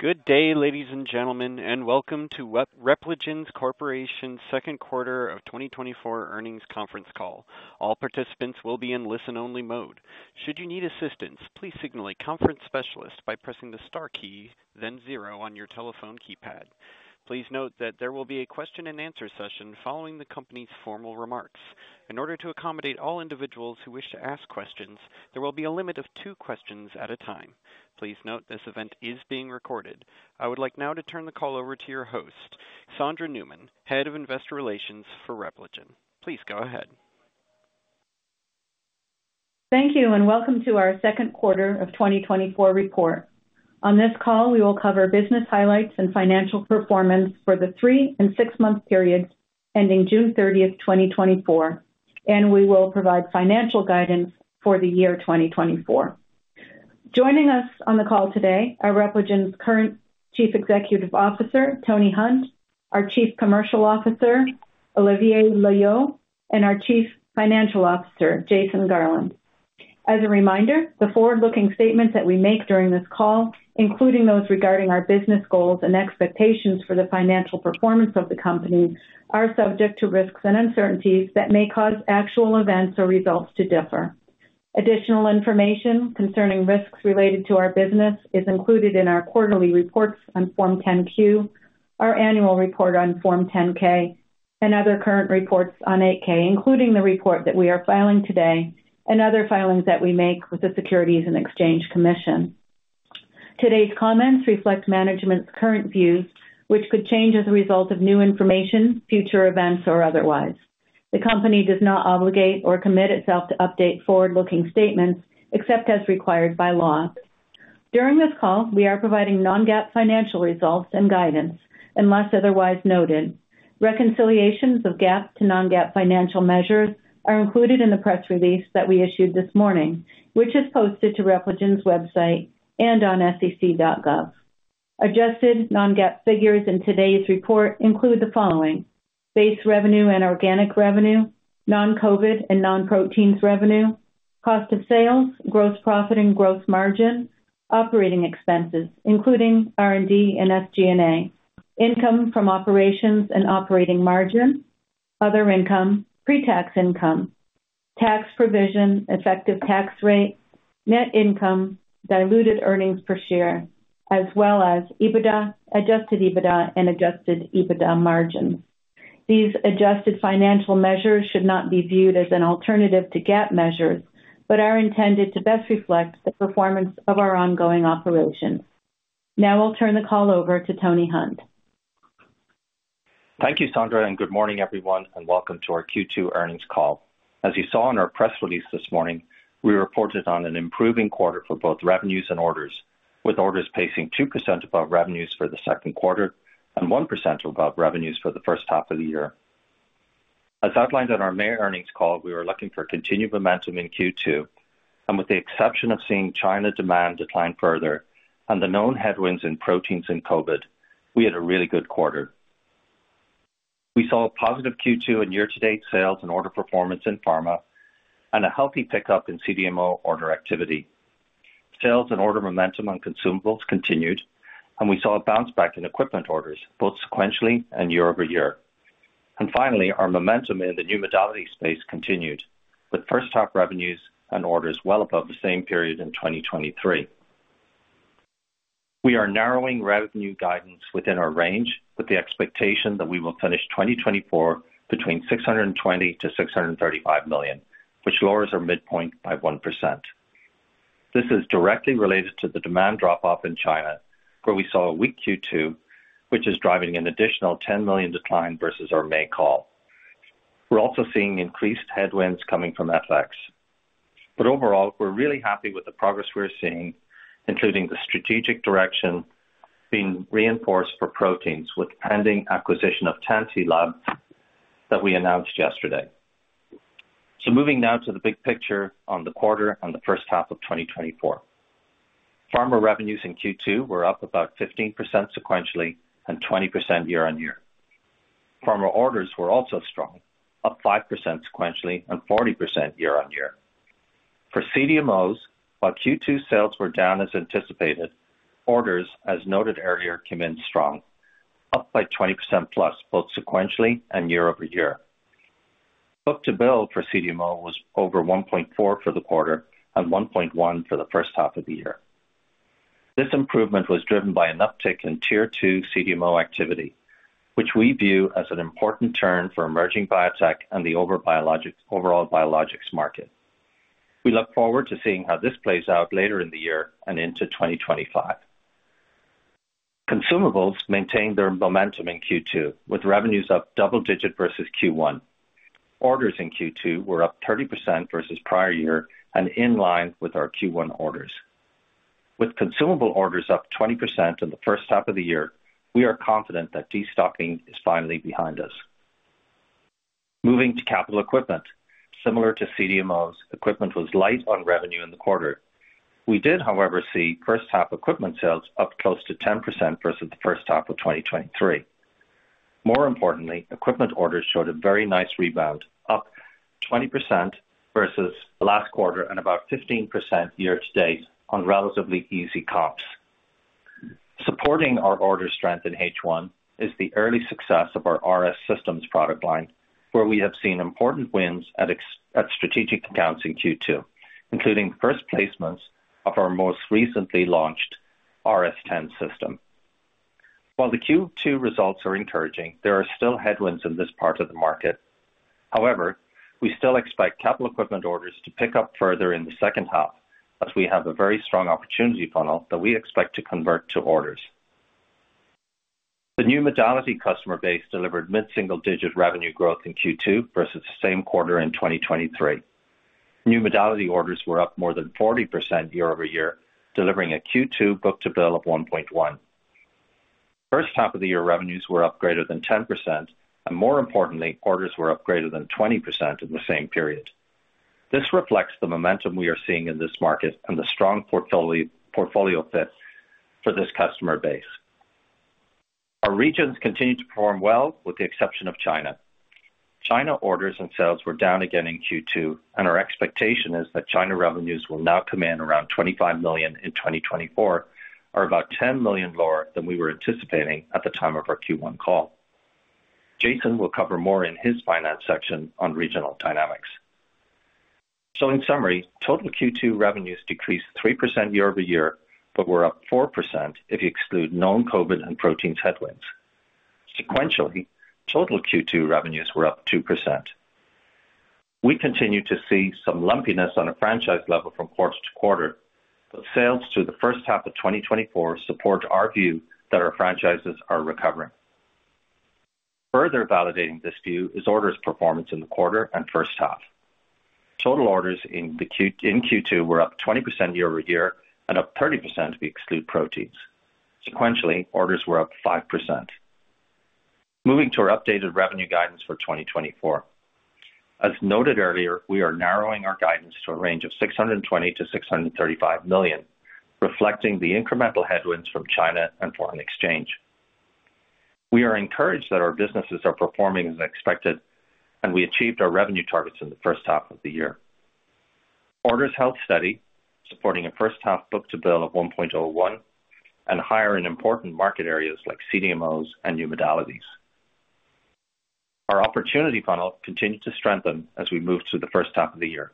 Good day, ladies and gentlemen, and welcome to Repligen Corporation's second quarter of 2024 earnings conference call. All participants will be in listen-only mode. Should you need assistance, please signal a conference specialist by pressing the star key, then zero on your telephone keypad. Please note that there will be a question-and-answer session following the company's formal remarks. In order to accommodate all individuals who wish to ask questions, there will be a limit of two questions at a time. Please note this event is being recorded. I would like now to turn the call over to your host, Sondra Newman, Head of Investor Relations for Repligen. Please go ahead. Thank you, and welcome to our second quarter of 2024 report. On this call, we will cover business highlights and financial performance for the three and six-month periods ending June 30th, 2024, and we will provide financial guidance for the year 2024. Joining us on the call today are Repligen's current Chief Executive Officer, Tony Hunt, our Chief Commercial Officer, Olivier Loeillot, and our Chief Financial Officer, Jason Garland. As a reminder, the forward-looking statements that we make during this call, including those regarding our business goals and expectations for the financial performance of the company, are subject to risks and uncertainties that may cause actual events or results to differ. Additional information concerning risks related to our business is included in our quarterly reports on Form 10-Q, our annual report on Form 10-K, and other current reports on 8-K, including the report that we are filing today and other filings that we make with the Securities and Exchange Commission. Today's comments reflect management's current views, which could change as a result of new information, future events, or otherwise. The company does not obligate or commit itself to update forward-looking statements except as required by law. During this call, we are providing non-GAAP financial results and guidance unless otherwise noted. Reconciliations of GAAP to non-GAAP financial measures are included in the press release that we issued this morning, which is posted to Repligen's website and on sec.gov. Adjusted non-GAAP figures in today's report include the following: base revenue and organic revenue, non-COVID and non-proteins revenue, cost of sales, gross profit and gross margin, operating expenses, including R&D and SG&A, income from operations and operating margin, other income, pre-tax income, tax provision, effective tax rate, net income, diluted earnings per share, as well as EBITDA, adjusted EBITDA, and adjusted EBITDA margins. These adjusted financial measures should not be viewed as an alternative to GAAP measures but are intended to best reflect the performance of our ongoing operations. Now I'll turn the call over to Tony Hunt. Thank you, Sondra, and good morning, everyone, and welcome to our Q2 earnings call. As you saw in our press release this morning, we reported on an improving quarter for both revenues and orders, with orders pacing 2% above revenues for the second quarter and 1% above revenues for the first half of the year. As outlined on our May earnings call, we were looking for continued momentum in Q2, and with the exception of seeing China demand decline further and the known headwinds in proteins and COVID, we had a really good quarter. We saw a positive Q2 in year-to-date sales and order performance in pharma and a healthy pickup in CDMO order activity. Sales and order momentum on consumables continued, and we saw a bounce back in equipment orders, both sequentially and year-over-year. Finally, our momentum in the new modality space continued, with first-half revenues and orders well above the same period in 2023. We are narrowing revenue guidance within our range with the expectation that we will finish 2024 between $620 million-$635 million, which lowers our midpoint by 1%. This is directly related to the demand drop-off in China, where we saw a weak Q2, which is driving an additional $10 million decline versus our May call. We're also seeing increased headwinds coming from FX. But overall, we're really happy with the progress we're seeing, including the strategic direction being reinforced for proteins with pending acquisition of Tantti Lab that we announced yesterday. Moving now to the big picture on the quarter and the first half of 2024. Pharma revenues in Q2 were up about 15% sequentially and 20% year-on-year. Pharma orders were also strong, up 5% sequentially and 40% year-on-year. For CDMOs, while Q2 sales were down as anticipated, orders, as noted earlier, came in strong, up by 20% plus both sequentially and year-over-year. Book-to-bill for CDMO was over 1.4 for the quarter and 1.1 for the first half of the year. This improvement was driven by an uptick in Tier-2 CDMO activity, which we view as an important turn for emerging biotech and the overall biologics market. We look forward to seeing how this plays out later in the year and into 2025. Consumables maintained their momentum in Q2 with revenues up double-digit versus Q1. Orders in Q2 were up 30% versus prior year and in line with our Q1 orders. With consumable orders up 20% in the first half of the year, we are confident that destocking is finally behind us. Moving to capital equipment, similar to CDMOs, equipment was light on revenue in the quarter. We did, however, see first-half equipment sales up close to 10% versus the first half of 2023. More importantly, equipment orders showed a very nice rebound, up 20% versus last quarter and about 15% year to date on relatively easy comps. Supporting our order strength in H1 is the early success of our RS systems product line, where we have seen important wins at strategic accounts in Q2, including first placements of our most recently launched RS10 system. While the Q2 results are encouraging, there are still headwinds in this part of the market. However, we still expect capital equipment orders to pick up further in the second half, as we have a very strong opportunity funnel that we expect to convert to orders. The new modality customer base delivered mid-single-digit revenue growth in Q2 versus the same quarter in 2023. New modality orders were up more than 40% year-over-year, delivering a Q2 book-to-bill of 1.1. First half of the year revenues were up greater than 10%, and more importantly, orders were up greater than 20% in the same period. This reflects the momentum we are seeing in this market and the strong portfolio fit for this customer base. Our regions continue to perform well with the exception of China. China orders and sales were down again in Q2, and our expectation is that China revenues will now come in around $25 million in 2024, or about $10 million lower than we were anticipating at the time of our Q1 call. Jason will cover more in his finance section on regional dynamics. So in summary, total Q2 revenues decreased 3% year-over-year, but were up 4% if you exclude non-COVID and proteins headwinds. Sequentially, total Q2 revenues were up 2%. We continue to see some lumpiness on a franchise level from quarter-to-quarter, but sales through the first half of 2024 support our view that our franchises are recovering. Further validating this view is orders performance in the quarter and first half. Total orders in Q2 were up 20% year-over-year and up 30% if you exclude proteins. Sequentially, orders were up 5%. Moving to our updated revenue guidance for 2024. As noted earlier, we are narrowing our guidance to a range of $620 million-$635 million, reflecting the incremental headwinds from China and foreign exchange. We are encouraged that our businesses are performing as expected, and we achieved our revenue targets in the first half of the year. Orders held steady, supporting a first-half book-to-bill of 1.01 and higher in important market areas like CDMOs and new modalities. Our opportunity funnel continued to strengthen as we moved through the first half of the year.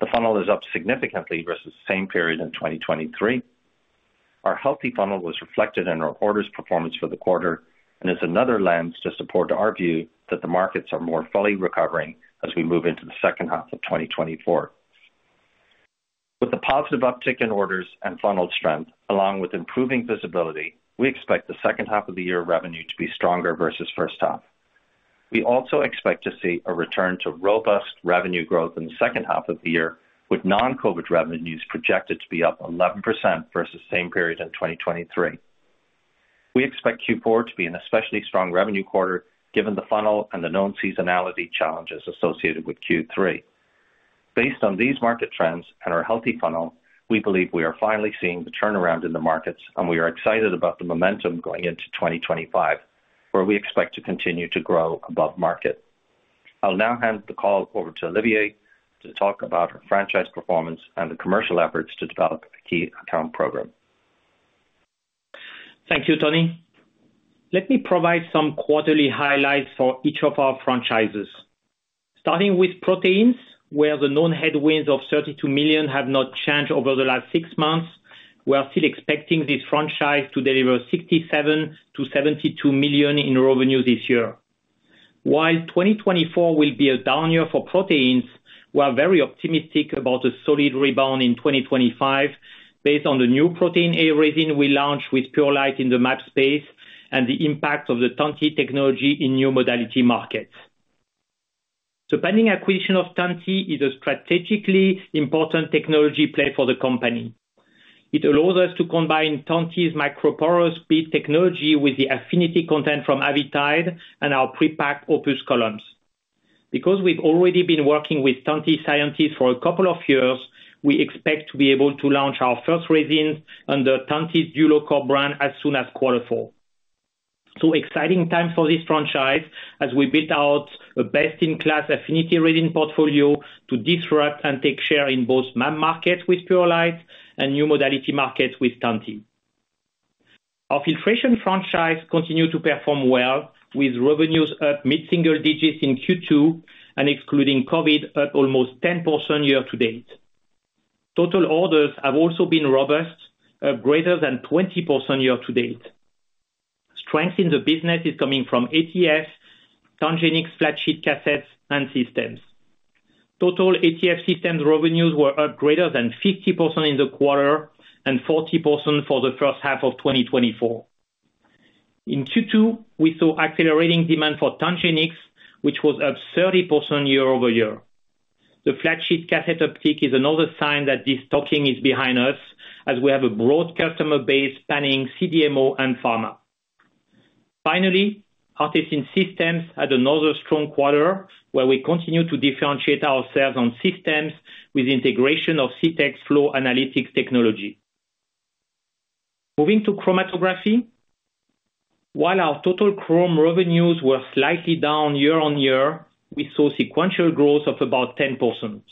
The funnel is up significantly versus the same period in 2023. Our healthy funnel was reflected in our orders performance for the quarter and is another lens to support our view that the markets are more fully recovering as we move into the second half of 2024. With the positive uptick in orders and funnel strength, along with improving visibility, we expect the second half of the year revenue to be stronger versus first half. We also expect to see a return to robust revenue growth in the second half of the year, with non-COVID revenues projected to be up 11% versus the same period in 2023. We expect Q4 to be an especially strong revenue quarter given the funnel and the known seasonality challenges associated with Q3. Based on these market trends and our healthy funnel, we believe we are finally seeing the turnaround in the markets, and we are excited about the momentum going into 2025, where we expect to continue to grow above market. I'll now hand the call over to Olivier to talk about her franchise performance and the commercial efforts to develop a key account program. Thank you, Tony. Let me provide some quarterly highlights for each of our franchises. Starting with proteins, where the known headwinds of $32 million have not changed over the last six months, we are still expecting this franchise to deliver $67 million-$72 million in revenue this year. While 2024 will be a down year for proteins, we are very optimistic about a solid rebound in 2025 based on the new protein array we launched with Purolite in the mAb space and the impact of the Tantti technology in new modality markets. The pending acquisition of Tantti is a strategically important technology play for the company. It allows us to combine Tantti's macroporous bead technology with the affinity content from Avitide and our prepacked OPUS columns. Because we've already been working with Tantti scientists for a couple of years, we expect to be able to launch our first resins under Tantti's DuloCore brand as soon as quarter four. So exciting time for this franchise as we build out a best-in-class affinity resin portfolio to disrupt and take share in both mAb markets with Purolite and new modality markets with Tantti. Our filtration franchise continued to perform well, with revenues up mid-single digits in Q2 and excluding COVID, up almost 10% year-to-date. Total orders have also been robust, up greater than 20% year-to-date. Strength in the business is coming from ATF, TangenX flat sheet cassettes, and systems. Total ATF systems revenues were up greater than 50% in the quarter and 40% for the first half of 2024. In Q2, we saw accelerating demand for TangenX, which was up 30% year-over-year. The flat sheet cassette uptick is another sign that destocking is behind us as we have a broad customer base spanning CDMO and pharma. Finally, ARTeSYN Systems had another strong quarter where we continue to differentiate ourselves on systems with integration of CTech Flow Analytics technology. Moving to chromatography, while our total chrom revenues were slightly down year-on-year, we saw sequential growth of about 10%.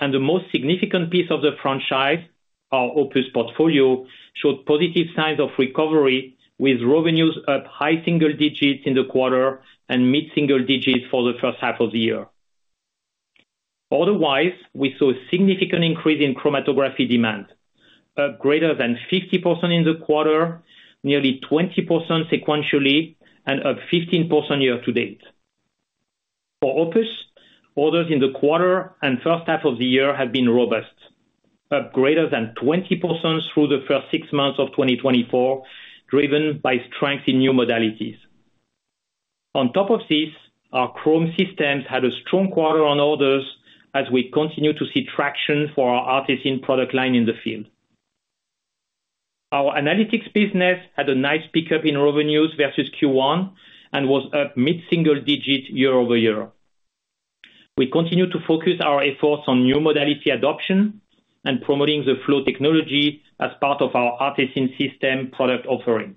The most significant piece of the franchise, our OPUS portfolio, showed positive signs of recovery, with revenues up high single digits in the quarter and mid-single digits for the first half of the year. Otherwise, we saw a significant increase in chromatography demand, up greater than 50% in the quarter, nearly 20% sequentially, and up 15% year to date. For OPUS, orders in the quarter and first half of the year have been robust, up greater than 20% through the first six months of 2024, driven by strength in new modalities. On top of this, our chrom systems had a strong quarter on orders as we continue to see traction for our ARTeSYN product line in the field. Our analytics business had a nice pickup in revenues versus Q1 and was up mid-single digit year over year. We continue to focus our efforts on new modality adoption and promoting the Flow technology as part of our ARTeSYN System product offering.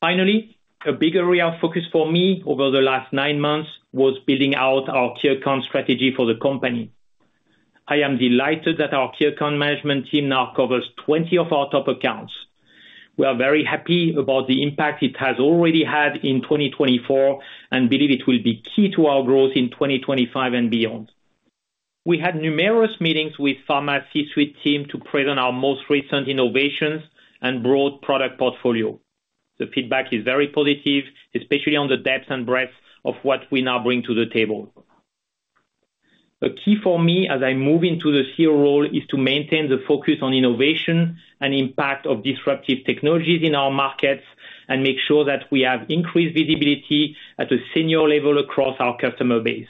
Finally, a big area of focus for me over the last nine months was building out our key account strategy for the company. I am delighted that our key account management team now covers 20 of our top accounts. We are very happy about the impact it has already had in 2024 and believe it will be key to our growth in 2025 and beyond. We had numerous meetings with Pharma C-suite team to present our most recent innovations and broad product portfolio. The feedback is very positive, especially on the depth and breadth of what we now bring to the table. A key for me as I move into the CEO role is to maintain the focus on innovation and impact of disruptive technologies in our markets and make sure that we have increased visibility at a senior level across our customer base.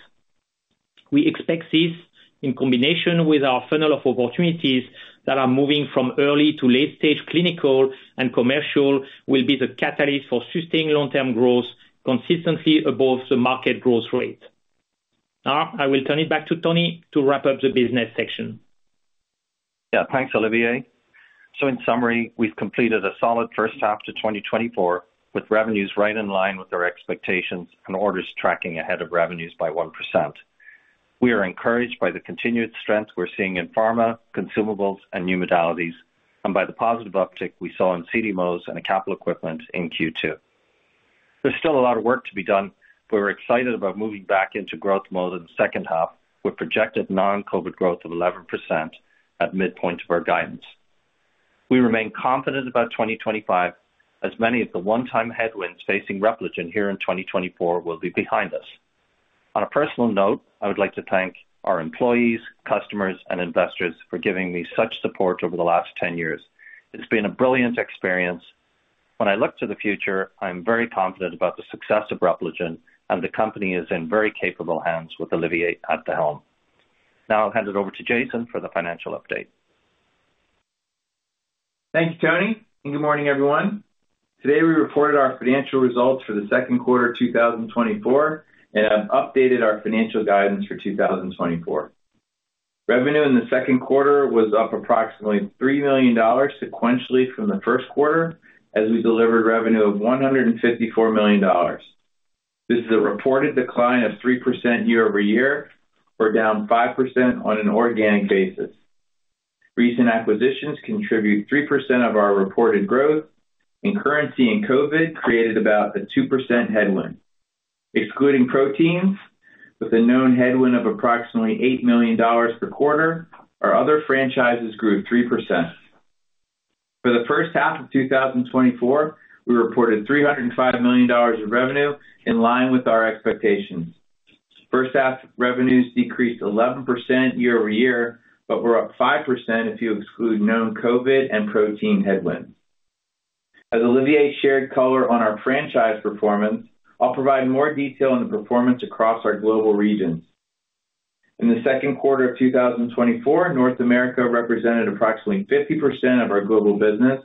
We expect this, in combination with our funnel of opportunities that are moving from early to late-stage clinical and commercial, will be the catalyst for sustained long-term growth consistently above the market growth rate. Now, I will turn it back to Tony to wrap up the business section. Yeah, thanks, Olivier. So in summary, we've completed a solid first half to 2024 with revenues right in line with our expectations and orders tracking ahead of revenues by 1%. We are encouraged by the continued strength we're seeing in pharma, consumables, and new modalities, and by the positive uptick we saw in CDMOs and capital equipment in Q2. There's still a lot of work to be done, but we're excited about moving back into growth mode in the second half with projected non-COVID growth of 11% at midpoint of our guidance. We remain confident about 2025 as many of the one-time headwinds facing Repligen here in 2024 will be behind us. On a personal note, I would like to thank our employees, customers, and investors for giving me such support over the last 10 years. It's been a brilliant experience. When I look to the future, I'm very confident about the success of Repligen, and the company is in very capable hands with Olivier at the helm. Now I'll hand it over to Jason for the financial update. Thank you, Tony. Good morning, everyone. Today, we reported our financial results for the second quarter 2024, and I've updated our financial guidance for 2024. Revenue in the second quarter was up approximately $3 million sequentially from the first quarter as we delivered revenue of $154 million. This is a reported decline of 3% year-over-year, or down 5% on an organic basis. Recent acquisitions contribute 3% of our reported growth, and currency and COVID created about a 2% headwind. Excluding proteins, with a known headwind of approximately $8 million per quarter, our other franchises grew 3%. For the first half of 2024, we reported $305 million of revenue in line with our expectations. First-half revenues decreased 11% year-over-year, but were up 5% if you exclude known COVID and protein headwinds. As Olivier shared color on our franchise performance, I'll provide more detail on the performance across our global regions. In the second quarter of 2024, North America represented approximately 50% of our global business,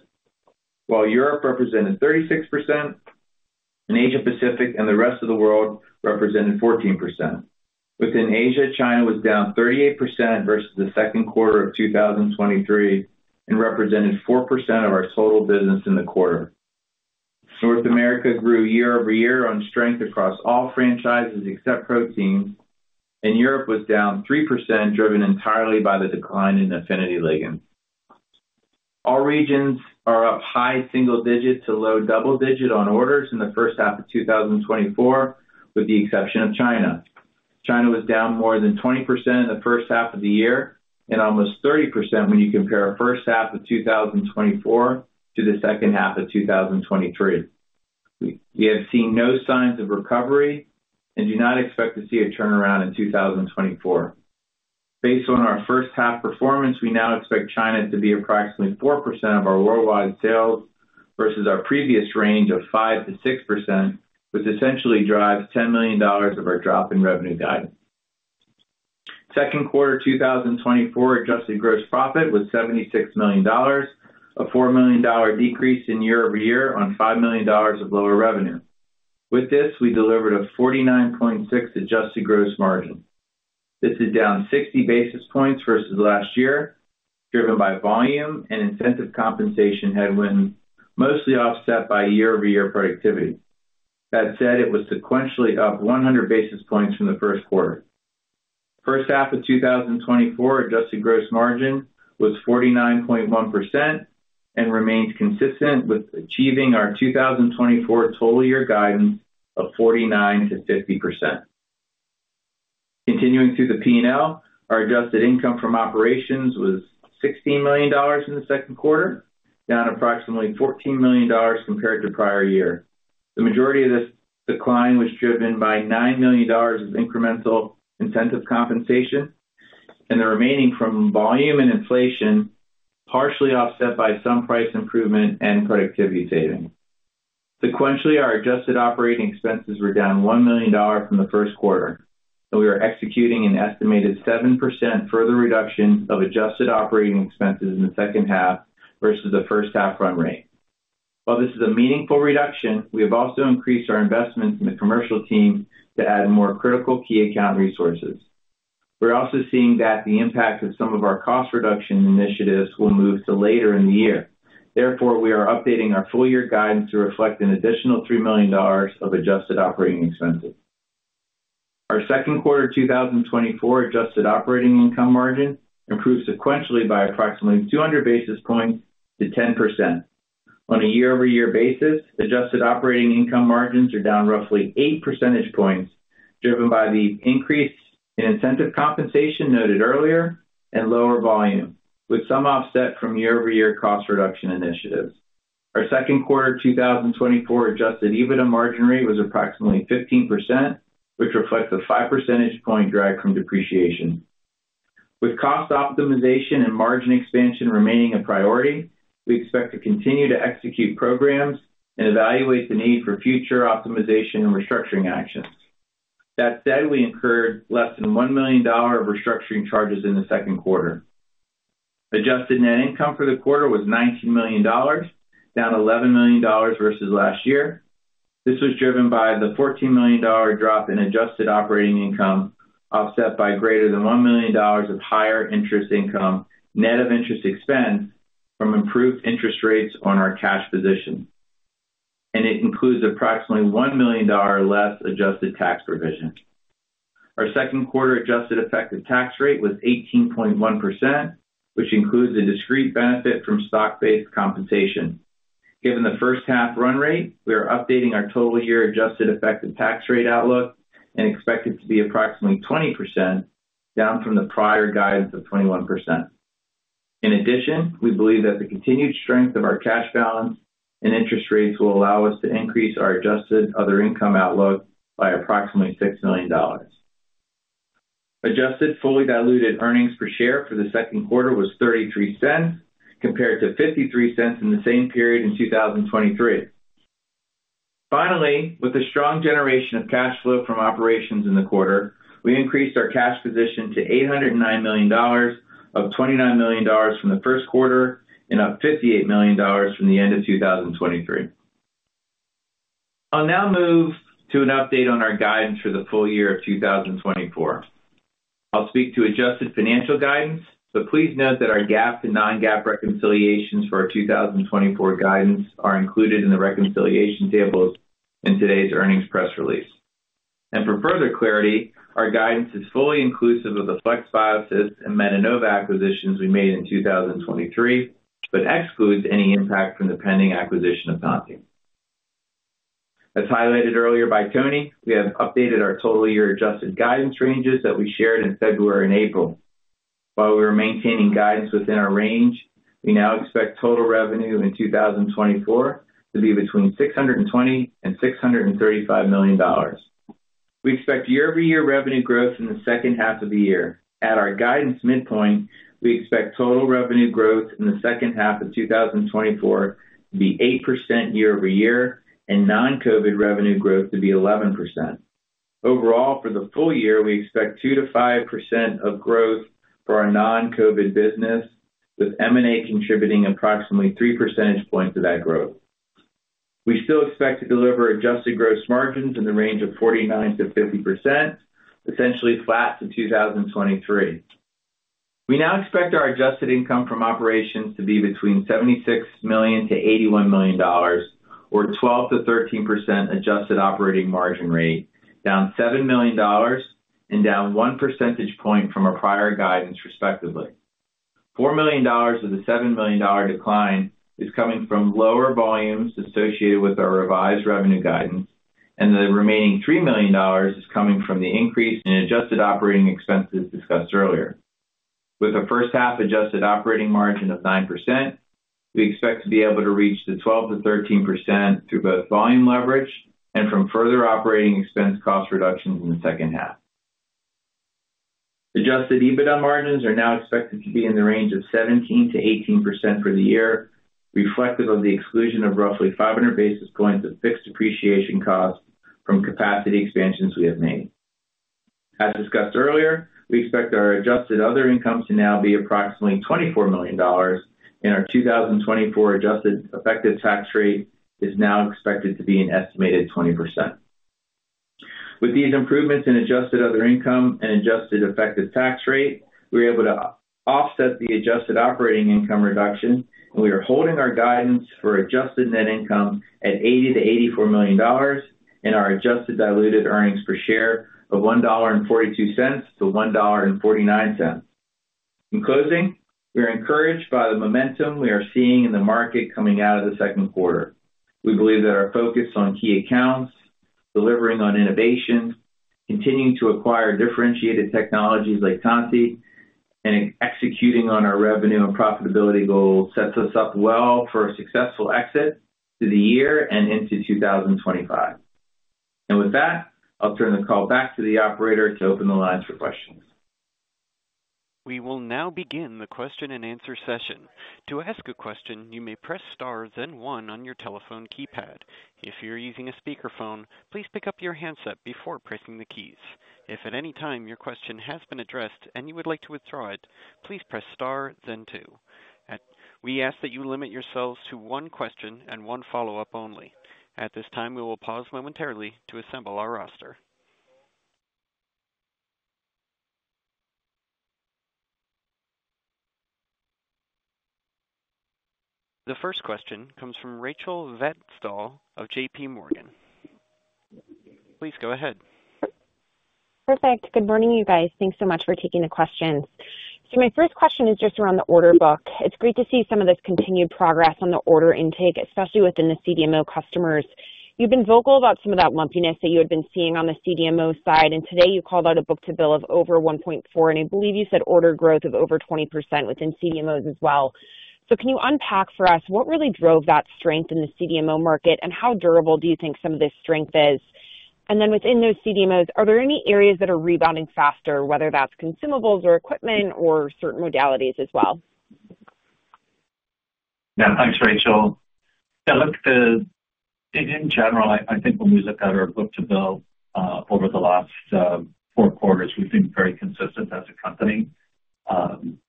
while Europe represented 36%, and Asia-Pacific and the rest of the world represented 14%. Within Asia, China was down 38% versus the second quarter of 2023 and represented 4% of our total business in the quarter. North America grew year-over-year on strength across all franchises except proteins, and Europe was down 3%, driven entirely by the decline in affinity ligands. All regions are up high single digit to low double digit on orders in the first half of 2024, with the exception of China. China was down more than 20% in the first half of the year and almost 30% when you compare first half of 2024 to the second half of 2023. We have seen no signs of recovery and do not expect to see a turnaround in 2024. Based on our first-half performance, we now expect China to be approximately 4% of our worldwide sales versus our previous range of 5%-6%, which essentially drives $10 million of our drop in revenue guidance. Second quarter 2024 adjusted gross profit was $76 million, a $4 million decrease year-over-year on $5 million of lower revenue. With this, we delivered a 49.6% adjusted gross margin. This is down 60 basis points versus last year, driven by volume and incentive compensation headwinds, mostly offset by year-over-year productivity. That said, it was sequentially up 100 basis points from the first quarter. First-half 2024 adjusted gross margin was 49.1% and remained consistent with achieving our 2024 full-year guidance of 49%-50%. Continuing through the P&L, our adjusted income from operations was $16 million in the second quarter, down approximately $14 million compared to prior year. The majority of this decline was driven by $9 million of incremental incentive compensation, and the remaining from volume and inflation partially offset by some price improvement and productivity savings. Sequentially, our adjusted operating expenses were down $1 million from the first quarter, and we are executing an estimated 7% further reduction of adjusted operating expenses in the second half versus the first-half run rate. While this is a meaningful reduction, we have also increased our investments in the commercial team to add more critical key account resources. We're also seeing that the impact of some of our cost reduction initiatives will move to later in the year. Therefore, we are updating our full-year guidance to reflect an additional $3 million of adjusted operating expenses. Our second quarter 2024 adjusted operating income margin improved sequentially by approximately 200 basis points to 10%. On a year-over-year basis, adjusted operating income margins are down roughly 8 percentage points, driven by the increase in incentive compensation noted earlier and lower volume, with some offset from year-over-year cost reduction initiatives. Our second quarter 2024 adjusted EBITDA margin rate was approximately 15%, which reflects a 5 percentage point drag from depreciation. With cost optimization and margin expansion remaining a priority, we expect to continue to execute programs and evaluate the need for future optimization and restructuring actions. That said, we incurred less than $1 million of restructuring charges in the second quarter. Adjusted net income for the quarter was $19 million, down $11 million versus last year. This was driven by the $14 million drop in adjusted operating income, offset by greater than $1 million of higher interest income net of interest expense from improved interest rates on our cash position, and it includes approximately $1 million less adjusted tax provision. Our second quarter adjusted effective tax rate was 18.1%, which includes a discrete benefit from stock-based compensation. Given the first-half run rate, we are updating our total year adjusted effective tax rate outlook and expect it to be approximately 20%, down from the prior guidance of 21%. In addition, we believe that the continued strength of our cash balance and interest rates will allow us to increase our adjusted other income outlook by approximately $6 million. Adjusted fully diluted earnings per share for the second quarter was $0.33, compared to $0.53 in the same period in 2023. Finally, with a strong generation of cash flow from operations in the quarter, we increased our cash position to $809 million, up $29 million from the first quarter and up $58 million from the end of 2023. I'll now move to an update on our guidance for the full year of 2024. I'll speak to adjusted financial guidance, but please note that our GAAP and non-GAAP reconciliations for our 2024 guidance are included in the reconciliation tables in today's earnings press release. And for further clarity, our guidance is fully inclusive of the FlexBiosys and Metenova acquisitions we made in 2023, but excludes any impact from the pending acquisition of Tantti. As highlighted earlier by Tony, we have updated our total year adjusted guidance ranges that we shared in February and April. While we were maintaining guidance within our range, we now expect total revenue in 2024 to be between $620 million-$635 million. We expect year-over-year revenue growth in the second half of the year. At our guidance midpoint, we expect total revenue growth in the second half of 2024 to be 8% year-over-year and non-COVID revenue growth to be 11%. Overall, for the full year, we expect 2%-5% of growth for our non-COVID business, with M&A contributing approximately 3 percentage points of that growth. We still expect to deliver adjusted gross margins in the range of 49%-50%, essentially flat to 2023. We now expect our adjusted income from operations to be between $76 million-$81 million, or 12%-13% adjusted operating margin rate, down $7 million and down 1 percentage point from our prior guidance, respectively. $4 million of the $7 million decline is coming from lower volumes associated with our revised revenue guidance, and the remaining $3 million is coming from the increase in adjusted operating expenses discussed earlier. With a first-half adjusted operating margin of 9%, we expect to be able to reach the 12%-13% through both volume leverage and from further operating expense cost reductions in the second half. Adjusted EBITDA margins are now expected to be in the range of 17%-18% for the year, reflective of the exclusion of roughly 500 basis points of fixed depreciation cost from capacity expansions we have made. As discussed earlier, we expect our adjusted other income to now be approximately $24 million, and our 2024 adjusted effective tax rate is now expected to be an estimated 20%. With these improvements in adjusted other income and adjusted effective tax rate, we were able to offset the adjusted operating income reduction, and we are holding our guidance for adjusted net income at $80 million-$84 million and our adjusted diluted earnings per share of $1.42-$1.49. In closing, we are encouraged by the momentum we are seeing in the market coming out of the second quarter. We believe that our focus on key accounts, delivering on innovations, continuing to acquire differentiated technologies like Tantti, and executing on our revenue and profitability goals sets us up well for a successful exit to the year and into 2025. With that, I'll turn the call back to the operator to open the lines for questions. We will now begin the question and answer session. To ask a question, you may press star, then one on your telephone keypad. If you're using a speakerphone, please pick up your handset before pressing the keys. If at any time your question has been addressed and you would like to withdraw it, please press star, then two. We ask that you limit yourselves to one question and one follow-up only. At this time, we will pause momentarily to assemble our roster. The first question comes from Rachel Vatnsdal of J.P. Morgan. Please go ahead. Perfect. Good morning, you guys. Thanks so much for taking the questions. So my first question is just around the order book. It's great to see some of this continued progress on the order intake, especially within the CDMO customers. You've been vocal about some of that lumpiness that you had been seeing on the CDMO side, and today you called out a book-to-bill of over 1.4, and I believe you said order growth of over 20% within CDMOs as well. So can you unpack for us what really drove that strength in the CDMO market, and how durable do you think some of this strength is? And then within those CDMOs, are there any areas that are rebounding faster, whether that's consumables or equipment or certain modalities as well? Yeah, thanks, Rachel. Yeah, look, in general, I think when we look at our book-to-bill over the last four quarters, we've been very consistent as a company.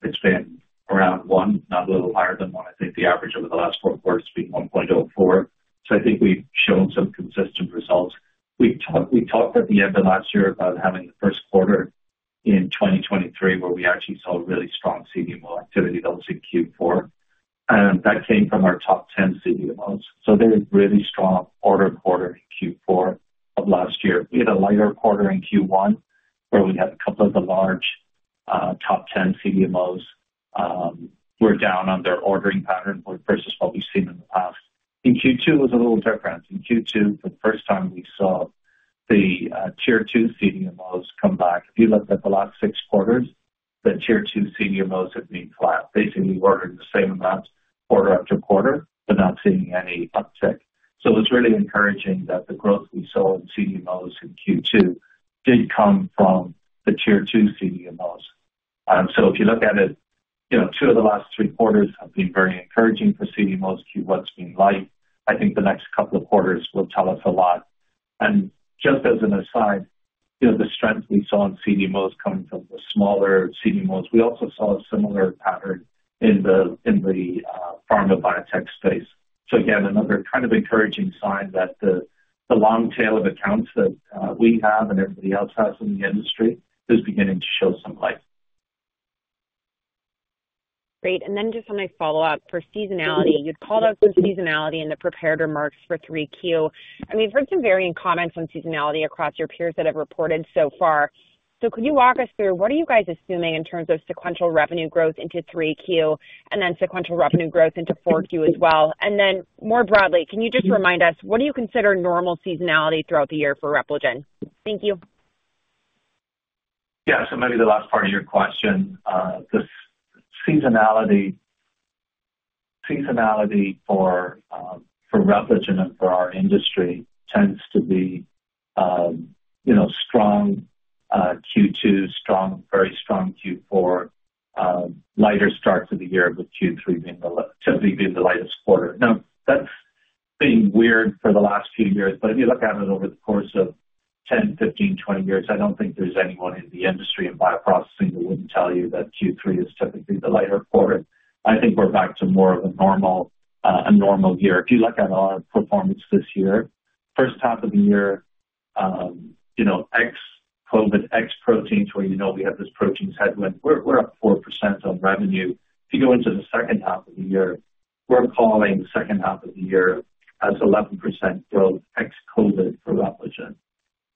It's been around one, not a little higher than one. I think the average over the last four quarters has been 1.04. So I think we've shown some consistent results. We talked at the end of last year about having the first quarter in 2023, where we actually saw really strong CDMO activity that was in Q4. And that came from our top 10 CDMOs. So there was really strong order quarter in Q4 of last year. We had a lighter quarter in Q1, where we had a couple of the large top 10 CDMOs who are down on their ordering pattern versus what we've seen in the past. In Q2, it was a little different. In Q2, for the first time, we saw the Tier-2 CDMOs come back. If you looked at the last six quarters, the Tier-2 CDMOs had been flat. Basically, we were ordering the same amount quarter after quarter, but not seeing any uptick. It was really encouraging that the growth we saw in CDMOs in Q2 did come from the Tier-2 CDMOs. If you look at it, two of the last three quarters have been very encouraging for CDMOs. Q1 has been light. I think the next couple of quarters will tell us a lot. Just as an aside, the strength we saw in CDMOs coming from the smaller CDMOs, we also saw a similar pattern in the pharma biotech space. So again, another kind of encouraging sign that the long tail of accounts that we have and everybody else has in the industry is beginning to show some light. Great. And then just on my follow-up, for seasonality, you'd called out some seasonality in the prepared remarks for 3Q. And we've heard some varying comments on seasonality across your peers that have reported so far. So could you walk us through what are you guys assuming in terms of sequential revenue growth into 3Q and then sequential revenue growth into 4Q as well? And then more broadly, can you just remind us, what do you consider normal seasonality throughout the year for Repligen? Thank you. Yeah, so maybe the last part of your question, the seasonality for Repligen and for our industry tends to be strong Q2, very strong Q4, lighter start to the year with Q3 typically being the lightest quarter. Now, that's been weird for the last few years, but if you look at it over the course of 10, 15, 20 years, I don't think there's anyone in the industry in bioprocessing that wouldn't tell you that Q3 is typically the lighter quarter. I think we're back to more of a normal year. If you look at our performance this year, first half of the year, ex-COVID, ex-proteins, where we have this protein headwind, we're up 4% on revenue. If you go into the second half of the year, we're calling the second half of the year as 11% growth ex-COVID for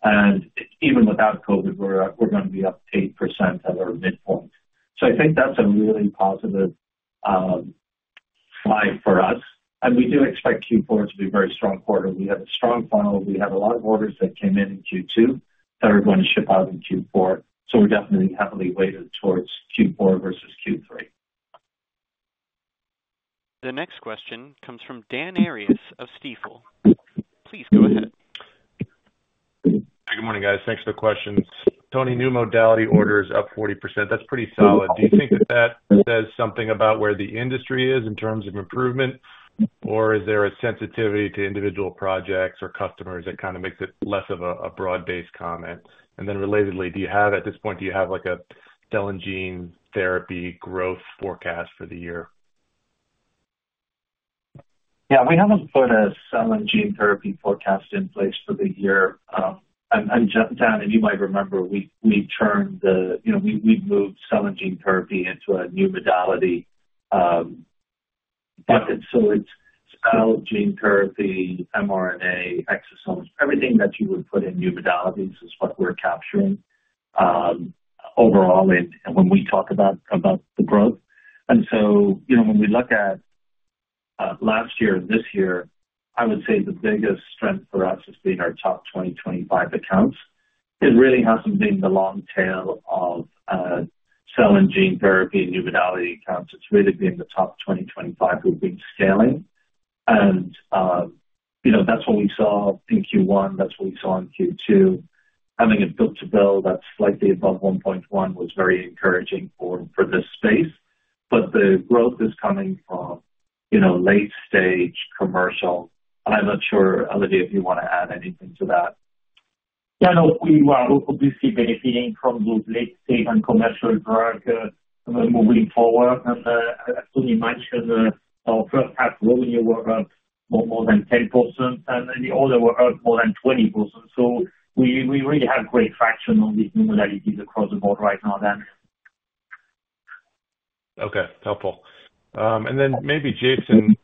Repligen. Even without COVID, we're going to be up 8% at our midpoint. I think that's a really positive slide for us. We do expect Q4 to be a very strong quarter. We had a strong funnel. We had a lot of orders that came in in Q2 that are going to ship out in Q4. We're definitely heavily weighted towards Q4 versus Q3. The next question comes from Dan Arias of Stifel. Please go ahead. Hey, good morning, guys. Thanks for the questions. Tony, new modality orders up 40%. That's pretty solid. Do you think that that says something about where the industry is in terms of improvement, or is there a sensitivity to individual projects or customers that kind of makes it less of a broad-based comment? And then relatedly, do you have at this point, do you have a cell and gene therapy growth forecast for the year? Yeah, we haven't put a cell and gene therapy forecast in place for the year. Dan, if you might remember, we've moved cell and gene therapy into a new modality. So it's cell and gene therapy, mRNA, exosomes, everything that you would put in new modalities is what we're capturing overall when we talk about the growth. So when we look at last year and this year, I would say the biggest strength for us has been our top 25 accounts. It really hasn't been the long tail of cell and gene therapy and new modality accounts. It's really been the top 25 who've been scaling. And that's what we saw in Q1. That's what we saw in Q2. Having a book-to-bill that's slightly above 1.1 was very encouraging for this space. But the growth is coming from late-stage commercial. And I'm not sure, Olivier, if you want to add anything to that. Yeah, no, we'll be seeing benefiting from those late-stage and commercial drug moving forward. And as Tony mentioned, our first-half revenue were up more than 10%, and the other were up more than 20%. So we really have great traction on these new modalities across the board right now, Dan. Okay, helpful. And then, maybe Jason,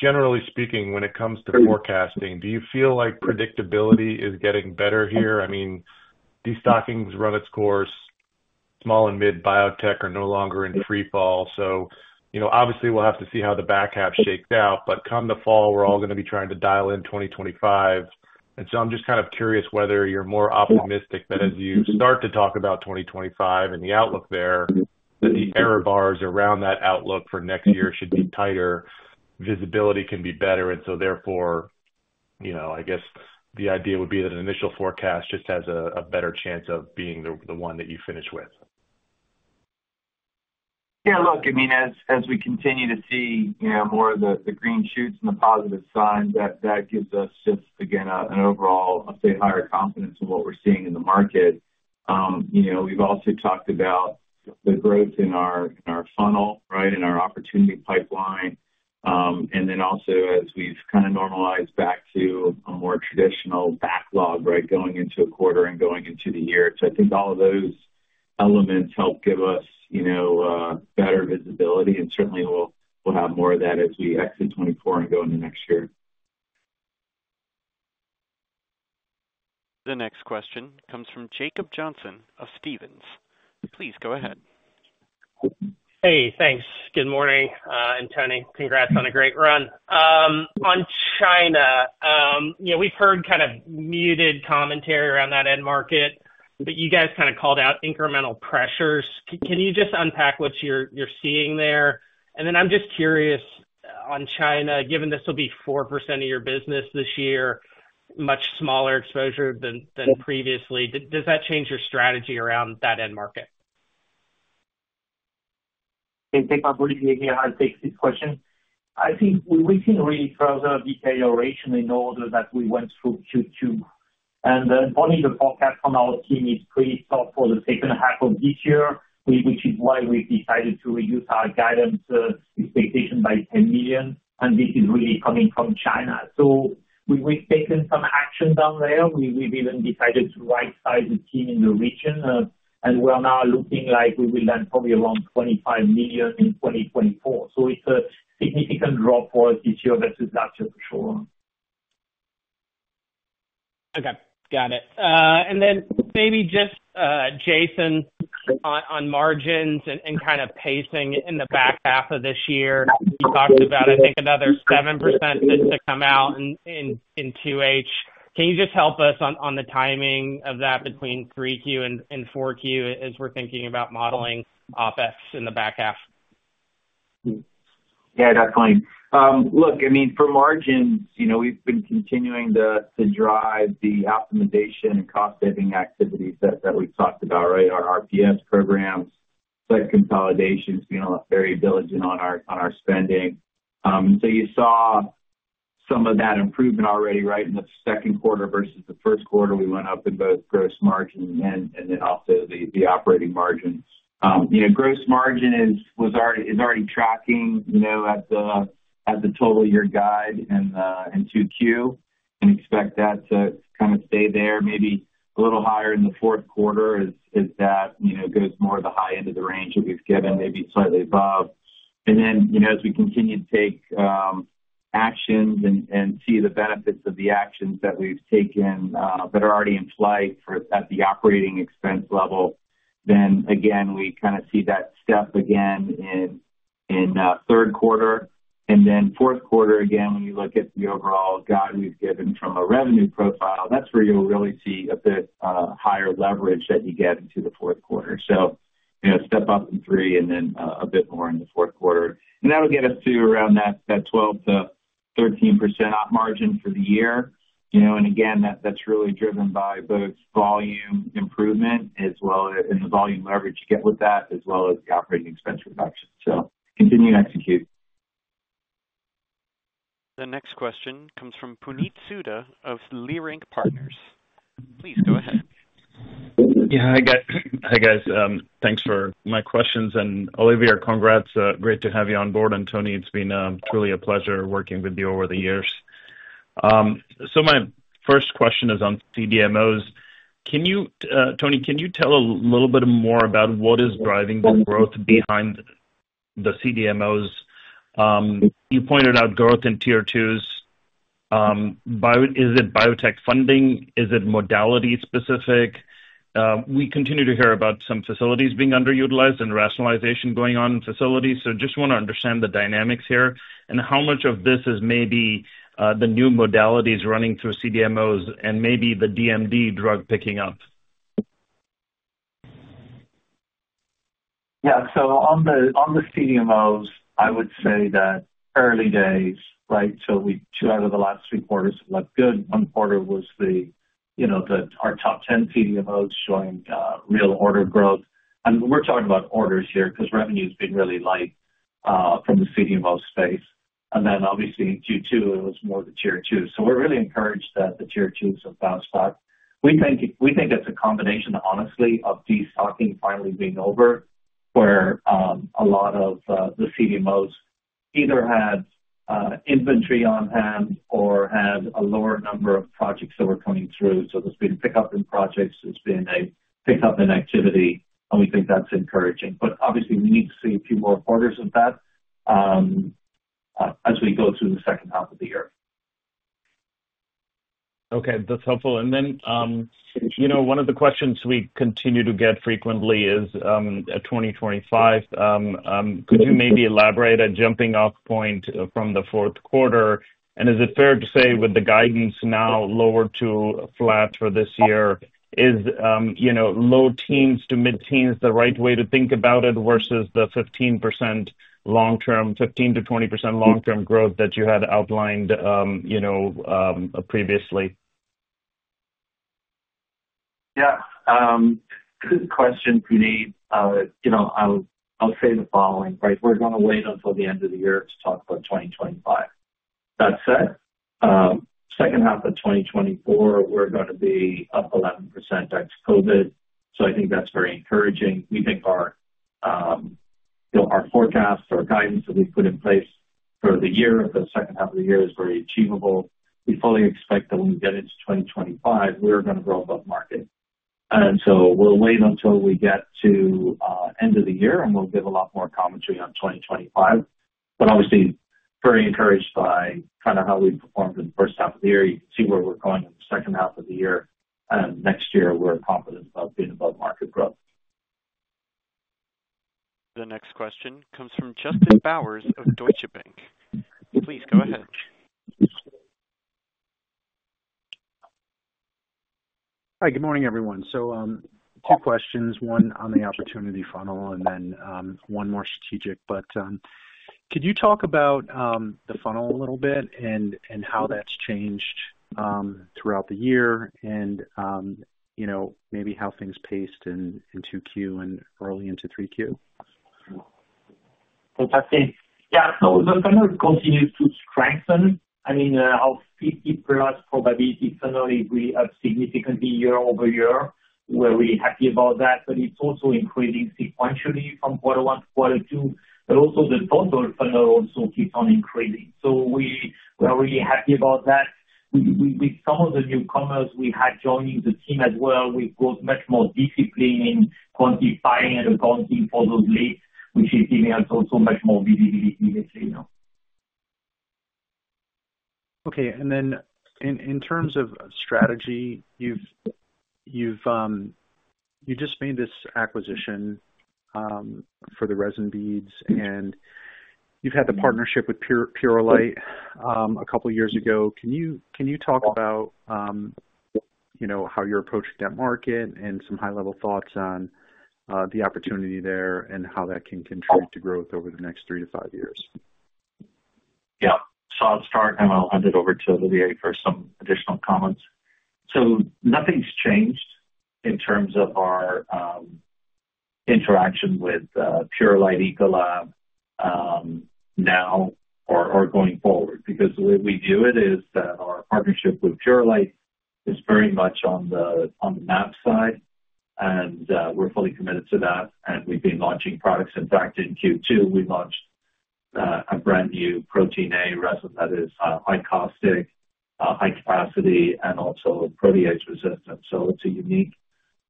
generally speaking, when it comes to forecasting, do you feel like predictability is getting better here? I mean, destocking's run its course. Small and mid-biotech are no longer in freefall. So obviously, we'll have to see how the back half shakes out. But come the fall, we're all going to be trying to dial in 2025. And so I'm just kind of curious whether you're more optimistic that as you start to talk about 2025 and the outlook there, that the error bars around that outlook for next year should be tighter, visibility can be better, and so therefore, I guess the idea would be that an initial forecast just has a better chance of being the one that you finish with. Yeah, look, I mean, as we continue to see more of the green shoots and the positive signs, that gives us just, again, an overall, I'll say, higher confidence in what we're seeing in the market. We've also talked about the growth in our funnel, right, in our opportunity pipeline. And then also, as we've kind of normalized back to a more traditional backlog, right, going into a quarter and going into the year. So I think all of those elements help give us better visibility, and certainly, we'll have more of that as we exit 2024 and go into next year. The next question comes from Jacob Johnson of Stephens. Please go ahead. Hey, thanks. Good morning, and Tony, congrats on a great run. On China, we've heard kind of muted commentary around that end market, but you guys kind of called out incremental pressures. Can you just unpack what you're seeing there? And then I'm just curious on China, given this will be 4% of your business this year, much smaller exposure than previously. Does that change your strategy around that end market? Thank you, Olivier, I'll be taking this question. I think we can really further detail the rationale in order that we went through Q2. And the forecast from our team is pretty soft for the second half of this year, which is why we've decided to reduce our guidance expectation by $10 million. And this is really coming from China. So we've taken some action down there. We've even decided to right-size the team in the region. And we're now looking like we will land probably around $25 million in 2024. So it's a significant drop for us this year versus last year for sure. Okay, got it. And then maybe just Jason, on margins and kind of pacing in the back half of this year, you talked about, I think, another 7% to come out in 2H. Can you just help us on the timing of that between 3Q and 4Q as we're thinking about modeling OpEx in the back half? Yeah, definitely. Look, I mean, for margins, we've been continuing to drive the optimization and cost-saving activities that we've talked about, right, our RPS programs, site consolidations, being very diligent on our spending. And so you saw some of that improvement already, right, in the second quarter versus the first quarter. We went up in both gross margin and then also the operating margin. Gross margin is already tracking at the total year guide in 2Q and expect that to kind of stay there, maybe a little higher in the fourth quarter as that goes more to the high end of the range that we've given, maybe slightly above. And then as we continue to take actions and see the benefits of the actions that we've taken that are already in play at the operating expense level, then again, we kind of see that step again in third quarter. Then fourth quarter, again, when you look at the overall guide we've given from a revenue profile, that's where you'll really see a bit higher leverage that you get into the fourth quarter. Step up in three and then a bit more in the fourth quarter. And that'll get us to around that 12%-13% up margin for the year. And again, that's really driven by both volume improvement and the volume leverage you get with that, as well as the operating expense reduction. Continue to execute. The next question comes from Puneet Souda of Leerink Partners. Please go ahead. Yeah, hi guys. Thanks for my questions. And Olivier, congrats. Great to have you on board, and Tony, it's been truly a pleasure working with you over the years. So my first question is on CDMOs. Tony, can you tell a little bit more about what is driving the growth behind the CDMOs? You pointed out growth in Tier-2s. Is it biotech funding? Is it modality specific? We continue to hear about some facilities being underutilized and rationalization going on in facilities. So just want to understand the dynamics here and how much of this is maybe the new modalities running through CDMOs and maybe the DMD drug picking up. Yeah, so on the CDMOs, I would say that early days, right, so 2 out of the last 3 quarters looked good. One quarter was our top 10 CDMOs showing real order growth. And we're talking about orders here because revenue has been really light from the CDMO space. And then obviously, in Q2, it was more the Tier-2. So we're really encouraged that the Tier-2s have bounced back. We think it's a combination, honestly, of destocking finally being over, where a lot of the CDMOs either had inventory on hand or had a lower number of projects that were coming through. So there's been pickup in projects. There's been a pickup in activity. And we think that's encouraging. But obviously, we need to see a few more quarters of that as we go through the second half of the year. Okay, that's helpful. And then one of the questions we continue to get frequently is 2025. Could you maybe elaborate a jumping-off point from the fourth quarter? And is it fair to say with the guidance now lowered to flat for this year, is low teens to mid-teens the right way to think about it versus the 15% long-term, 15%-20% long-term growth that you had outlined previously? Yeah, good question, Puneet. I'll say the following, right? We're going to wait until the end of the year to talk about 2025. That said, second half of 2024, we're going to be up 11% ex-COVID. So I think that's very encouraging. We think our forecast or guidance that we've put in place for the year of the second half of the year is very achievable. We fully expect that when we get into 2025, we're going to grow above market. And so we'll wait until we get to the end of the year, and we'll give a lot more commentary on 2025. But obviously, very encouraged by kind of how we performed in the first half of the year. You can see where we're going in the second half of the year. And next year, we're confident about being above market growth. The next question comes from Justin Bowers of Deutsche Bank. Please go ahead. Hi, good morning, everyone. So two questions, one on the opportunity funnel and then one more strategic. But could you talk about the funnel a little bit and how that's changed throughout the year and maybe how things paced in 2Q and early into 3Q? Fantastic. Yeah, so the funnel continues to strengthen. I mean, our 50+ probability funnel is really up significantly year-over-year. We're really happy about that. But it's also increasing sequentially from quarter one to quarter two. But also the total funnel also keeps on increasing. So we are really happy about that. With some of the newcomers we had joining the team as well, we've built much more discipline in quantifying and accounting for those leads, which is giving us also much more visibility, let's say. Okay. And then in terms of strategy, you just made this acquisition for the resin beads, and you've had the partnership with Purolite a couple of years ago. Can you talk about how you're approaching that market and some high-level thoughts on the opportunity there and how that can contribute to growth over the next 3-5 years? Yeah, so I'll start, and I'll hand it over to Olivier for some additional comments. So nothing's changed in terms of our interaction with Purolite Ecolab now or going forward. Because the way we view it is that our partnership with Purolite is very much on the mAb side, and we're fully committed to that. And we've been launching products. In fact, in Q2, we launched a brand new Protein A resin that is high caustic, high capacity, and also protease resistant. So it's a unique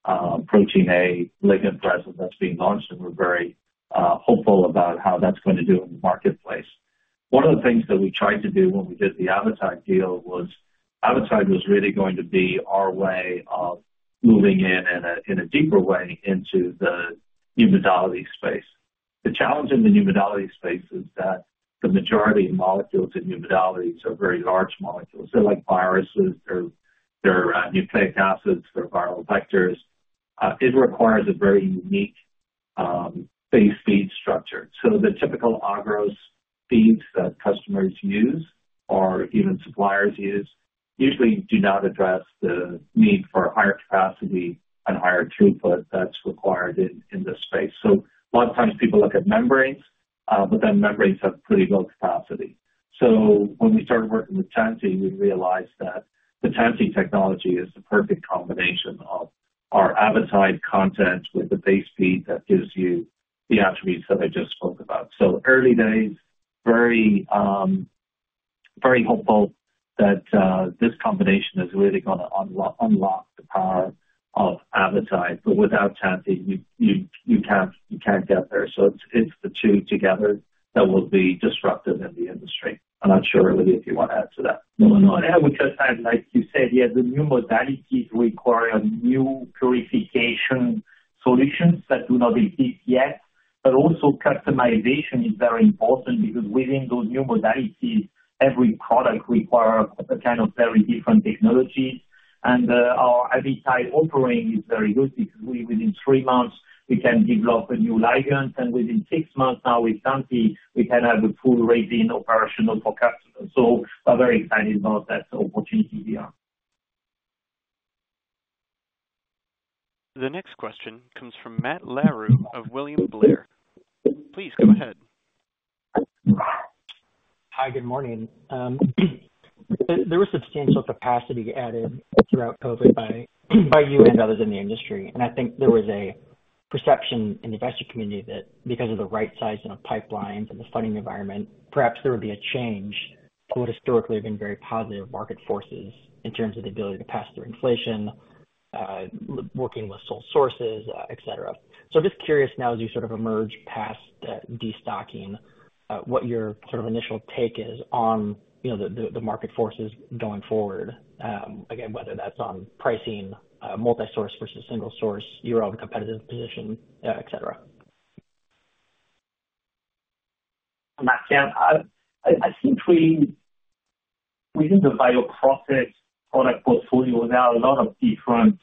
Protein A ligand resin that's being launched, and we're very hopeful about how that's going to do in the marketplace. One of the things that we tried to do when we did the Avitide deal was Avitide was really going to be our way of moving in in a deeper way into the new modality space. The challenge in the new modality space is that the majority of molecules in new modalities are very large molecules. They're like viruses. They're nucleic acids. They're viral vectors. It requires a very unique base bead structure. So the typical agarose beads that customers use or even suppliers use usually do not address the need for higher capacity and higher throughput that's required in this space. So a lot of times, people look at membranes, but then membranes have pretty low capacity. So when we started working with Tantti, we realized that the Tantti technology is the perfect combination of our Avitide content with the base bead that gives you the attributes that I just spoke about. So early days, very hopeful that this combination is really going to unlock the power of Avitide. But without Tantti, you can't get there. So it's the two together that will be disruptive in the industry. I'm not sure, Olivier, if you want to add to that. No, no, no. Yeah, because like you said, yeah, the new modalities require new purification solutions that do not exist yet. But also customization is very important because within those new modalities, every product requires a kind of very different technology. And our Avitide offering is very good because within three months, we can develop a new ligand. And within six months now with Tantti, we can have a full resin operational for customers. So we're very excited about that opportunity here. The next question comes from Matt Larew of William Blair. Please go ahead. Hi, good morning. There was substantial capacity added throughout COVID by you and others in the industry. I think there was a perception in the investment community that because of the right size of pipelines and the funding environment, perhaps there would be a change to what historically have been very positive market forces in terms of the ability to pass through inflation, working with sole sources, etc. I'm just curious now, as you sort of emerge past destocking, what your sort of initial take is on the market forces going forward, again, whether that's on pricing, multi-source versus single source, your own competitive position, etc. I think within the bioprocess product portfolio, there are a lot of different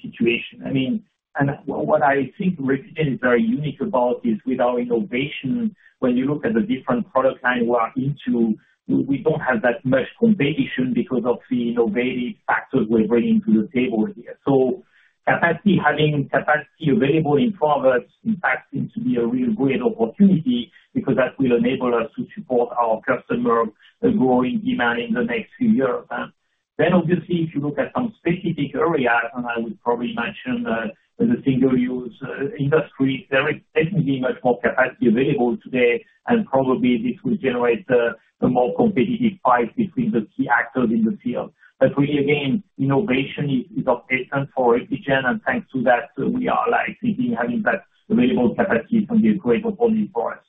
situations. I mean, and what I think Repligen is very unique about is with our innovation, when you look at the different product lines we are into, we don't have that much competition because of the innovative factors we're bringing to the table here. So having capacity available in progress, in fact, seems to be a real great opportunity because that will enable us to support our customer growing demand in the next few years. Then, obviously, if you look at some specific areas, and I would probably mention the single-use industry, there is definitely much more capacity available today. And probably this will generate a more competitive fight between the key actors in the field. But really, again, innovation is of excellence for Repligen. Thanks to that, we are thinking having that available capacity can be a great opportunity for us.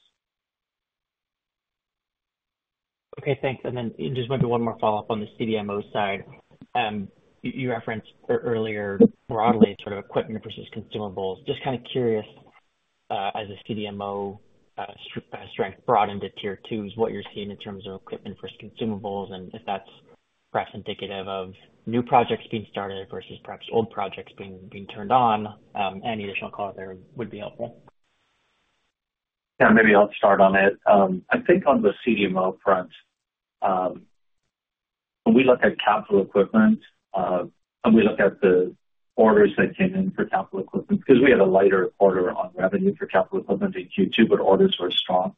Okay, thanks. And then just maybe one more follow-up on the CDMO side. You referenced earlier broadly sort of equipment versus consumables. Just kind of curious, as a CDMO strength broadened to Tier-2, is what you're seeing in terms of equipment versus consumables and if that's perhaps indicative of new projects being started versus perhaps old projects being turned on? Any additional color there would be helpful. Yeah, maybe I'll start on it. I think on the CDMO front, when we look at capital equipment and we look at the orders that came in for capital equipment, because we had a lighter quarter on revenue for capital equipment in Q2, but orders were strong.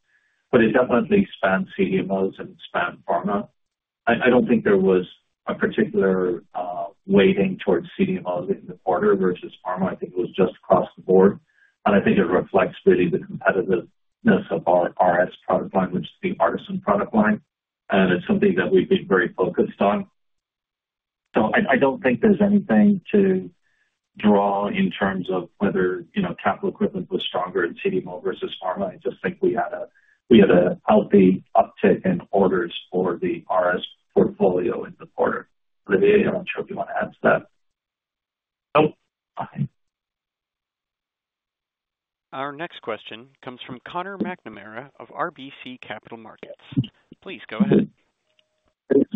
It definitely spanned CDMOs and spanned pharma. I don't think there was a particular weighting towards CDMOs in the quarter versus pharma. I think it was just across the board. I think it reflects really the competitiveness of our RS product line, which is the ARTeSYN product line. It's something that we've been very focused on. So I don't think there's anything to draw in terms of whether capital equipment was stronger in CDMO versus pharma. I just think we had a healthy uptick in orders for the RS portfolio in the quarter. Olivier, I'm not sure if you want to add to that. Nope. Our next question comes from Conor McNamara of RBC Capital Markets. Please go ahead. Thanks.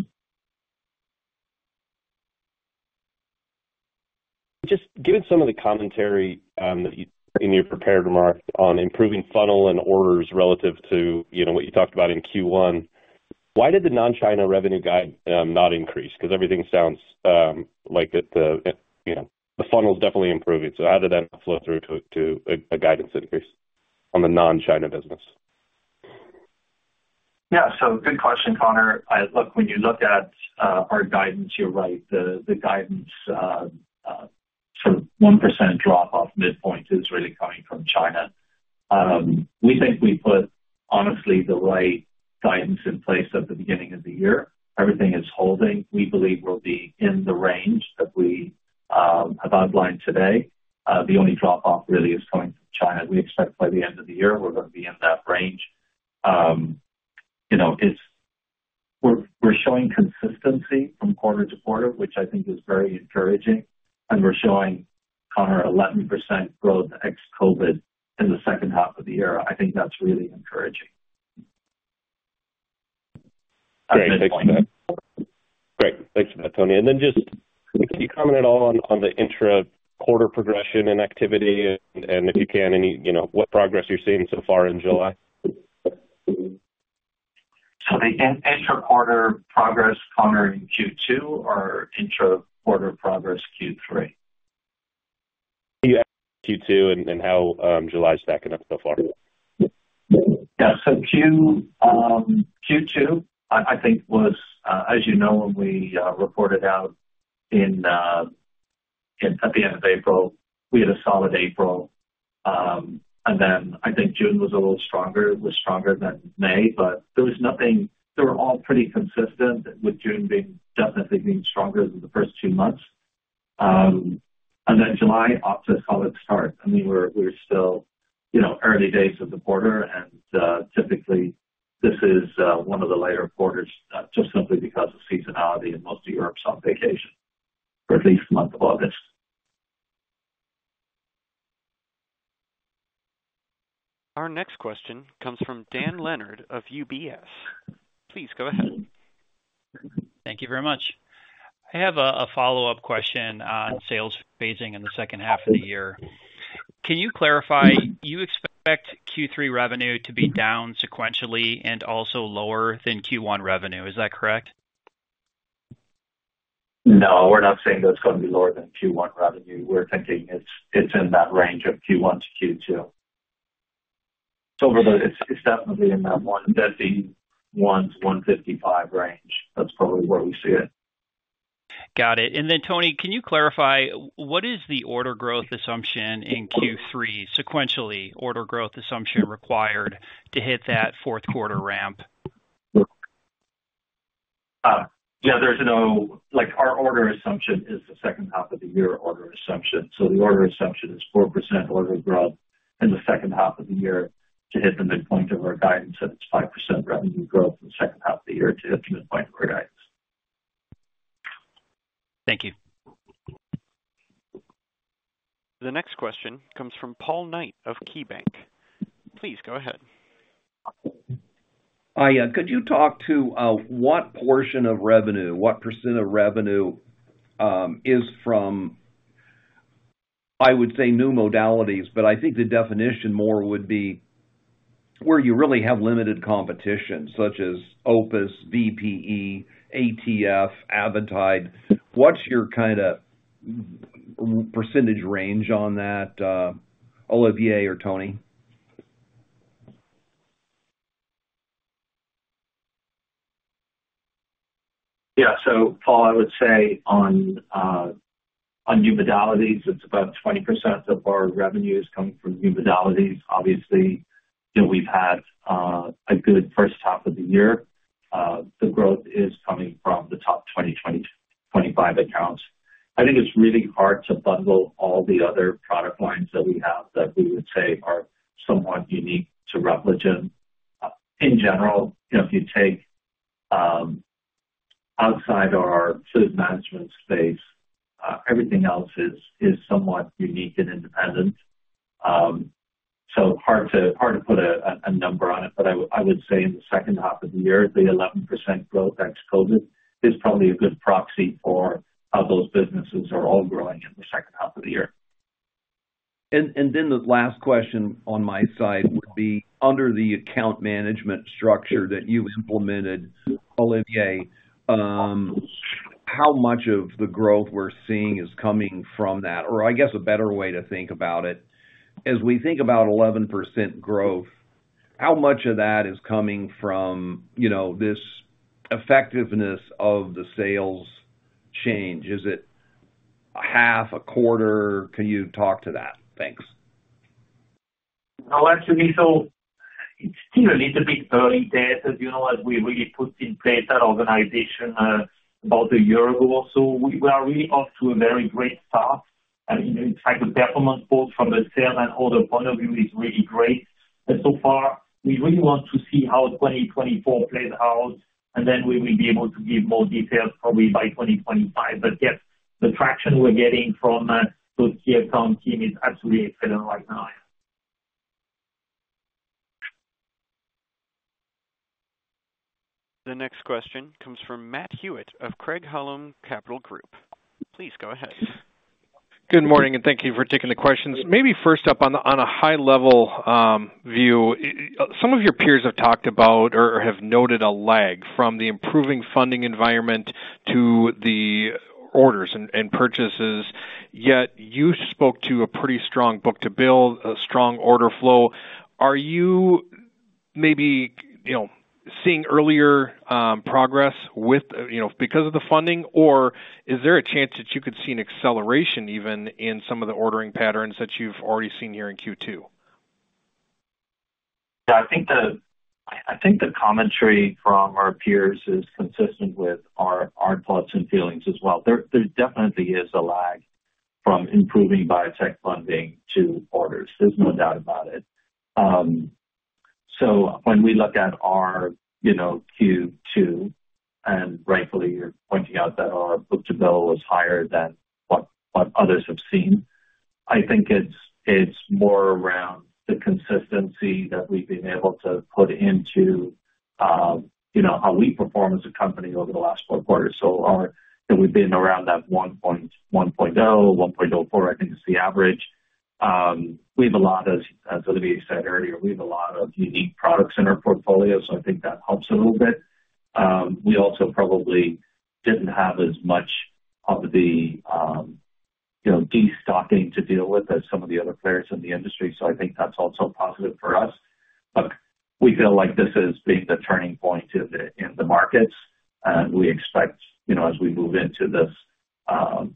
Just given some of the commentary in your prepared remark on improving funnel and orders relative to what you talked about in Q1, why did the non-China revenue guide not increase? Because everything sounds like the funnel is definitely improving. So how did that flow through to a guidance increase on the non-China business? Yeah, so good question, Conor. When you look at our guidance, you're right. The guidance sort of 1% drop-off midpoint is really coming from China. We think we put, honestly, the right guidance in place at the beginning of the year. Everything is holding. We believe we'll be in the range that we have outlined today. The only drop-off really is coming from China. We expect by the end of the year, we're going to be in that range. We're showing consistency from quarter to quarter, which I think is very encouraging. And we're showing, Conor, 11% growth ex-COVID in the second half of the year. I think that's really encouraging. Okay, thanks. Great. Thanks for that, Tony. And then just can you comment at all on the intra-quarter progression and activity? And if you can, what progress you're seeing so far in July? The intra-quarter progress, Conor, in Q2 or intra-quarter progress Q3? Q2 and how July's stacking up so far? Yeah, so Q2, I think, was, as you know, when we reported out at the end of April, we had a solid April. And then I think June was a little stronger. It was stronger than May, but there was nothing. They were all pretty consistent with June definitely being stronger than the first two months. And then July off to a solid start. I mean, we're still early days of the quarter. And typically, this is one of the later quarters, just simply because of seasonality and most of Europe's on vacation, or at least the month of August. Our next question comes from Dan Leonard of UBS. Please go ahead. Thank you very much. I have a follow-up question on sales phasing in the second half of the year. Can you clarify? You expect Q3 revenue to be down sequentially and also lower than Q1 revenue. Is that correct? No, we're not saying that it's going to be lower than Q1 revenue. We're thinking it's in that range of Q1 to Q2. It's definitely in that $150-$155 range. That's probably where we see it. Got it. And then, Tony, can you clarify what is the order growth assumption in Q3? Sequentially, order growth assumption required to hit that fourth quarter ramp? Yeah, there's no, our order assumption is the second half of the year order assumption. The order assumption is 4% order growth in the second half of the year to hit the midpoint of our guidance. It's 5% revenue growth in the second half of the year to hit the midpoint of our guidance. Thank you. The next question comes from Paul Knight of KeyBanc. Please go ahead. Hi, yeah. Could you talk to what portion of revenue, what % of revenue is from, I would say, new modalities? But I think the definition more would be where you really have limited competition, such as OPUS, VPE, ATF, Avitide. What's your kind of percentage range on that, Olivier or Tony? Yeah. So, Paul, I would say on new modalities, it's about 20% of our revenue is coming from new modalities. Obviously, we've had a good first half of the year. The growth is coming from the top 25 accounts. I think it's really hard to bundle all the other product lines that we have that we would say are somewhat unique to Repligen. In general, if you take outside our fluid management space, everything else is somewhat unique and independent. So hard to put a number on it. But I would say in the second half of the year, the 11% growth ex-COVID is probably a good proxy for how those businesses are all growing in the second half of the year. And then the last question on my side would be, under the account management structure that you implemented, Olivier, how much of the growth we're seeing is coming from that? Or I guess a better way to think about it, as we think about 11% growth, how much of that is coming from this effectiveness of the sales change? Is it a half, a quarter? Can you talk to that? Thanks. No, actually, so it's still a little bit early data. As we really put in place our organization about a year ago, so we are really off to a very great start. I mean, in fact, the performance both from the sales and order point of view is really great. And so far, we really want to see how 2024 plays out. And then we will be able to give more details probably by 2025. But yes, the traction we're getting from those key account teams is absolutely excellent right now. The next question comes from Matt Hewitt of Craig-Hallum Capital Group. Please go ahead. Good morning, and thank you for taking the questions. Maybe first up on a high-level view, some of your peers have talked about or have noted a lag from the improving funding environment to the orders and purchases. Yet you spoke to a pretty strong book-to-bill, a strong order flow. Are you maybe seeing earlier progress because of the funding? Or is there a chance that you could see an acceleration even in some of the ordering patterns that you've already seen here in Q2? Yeah, I think the commentary from our peers is consistent with our thoughts and feelings as well. There definitely is a lag from improving biotech funding to orders. There's no doubt about it. So when we look at our Q2, and rightfully you're pointing out that our book-to-bill was higher than what others have seen, I think it's more around the consistency that we've been able to put into how we perform as a company over the last four quarters. So we've been around that 1.0, 1.04, I think is the average. We have a lot of, as Olivier said earlier, we have a lot of unique products in our portfolio. So I think that helps a little bit. We also probably didn't have as much of the destocking to deal with as some of the other players in the industry. So I think that's also positive for us. But we feel like this is being the turning point in the markets. And we expect as we move into this high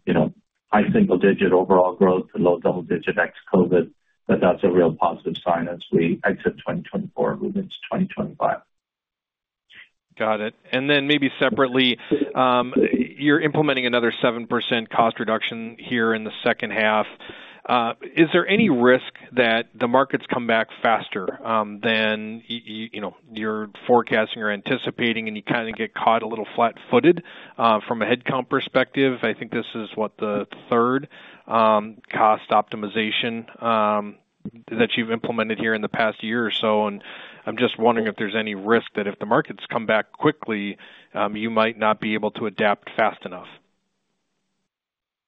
single-digit overall growth, low double-digit ex-COVID, that that's a real positive sign as we exit 2024 and move into 2025. Got it. And then maybe separately, you're implementing another 7% cost reduction here in the second half. Is there any risk that the markets come back faster than you're forecasting or anticipating and you kind of get caught a little flat-footed from a headcount perspective? I think this is what the third cost optimization that you've implemented here in the past year or so. And I'm just wondering if there's any risk that if the markets come back quickly, you might not be able to adapt fast enough.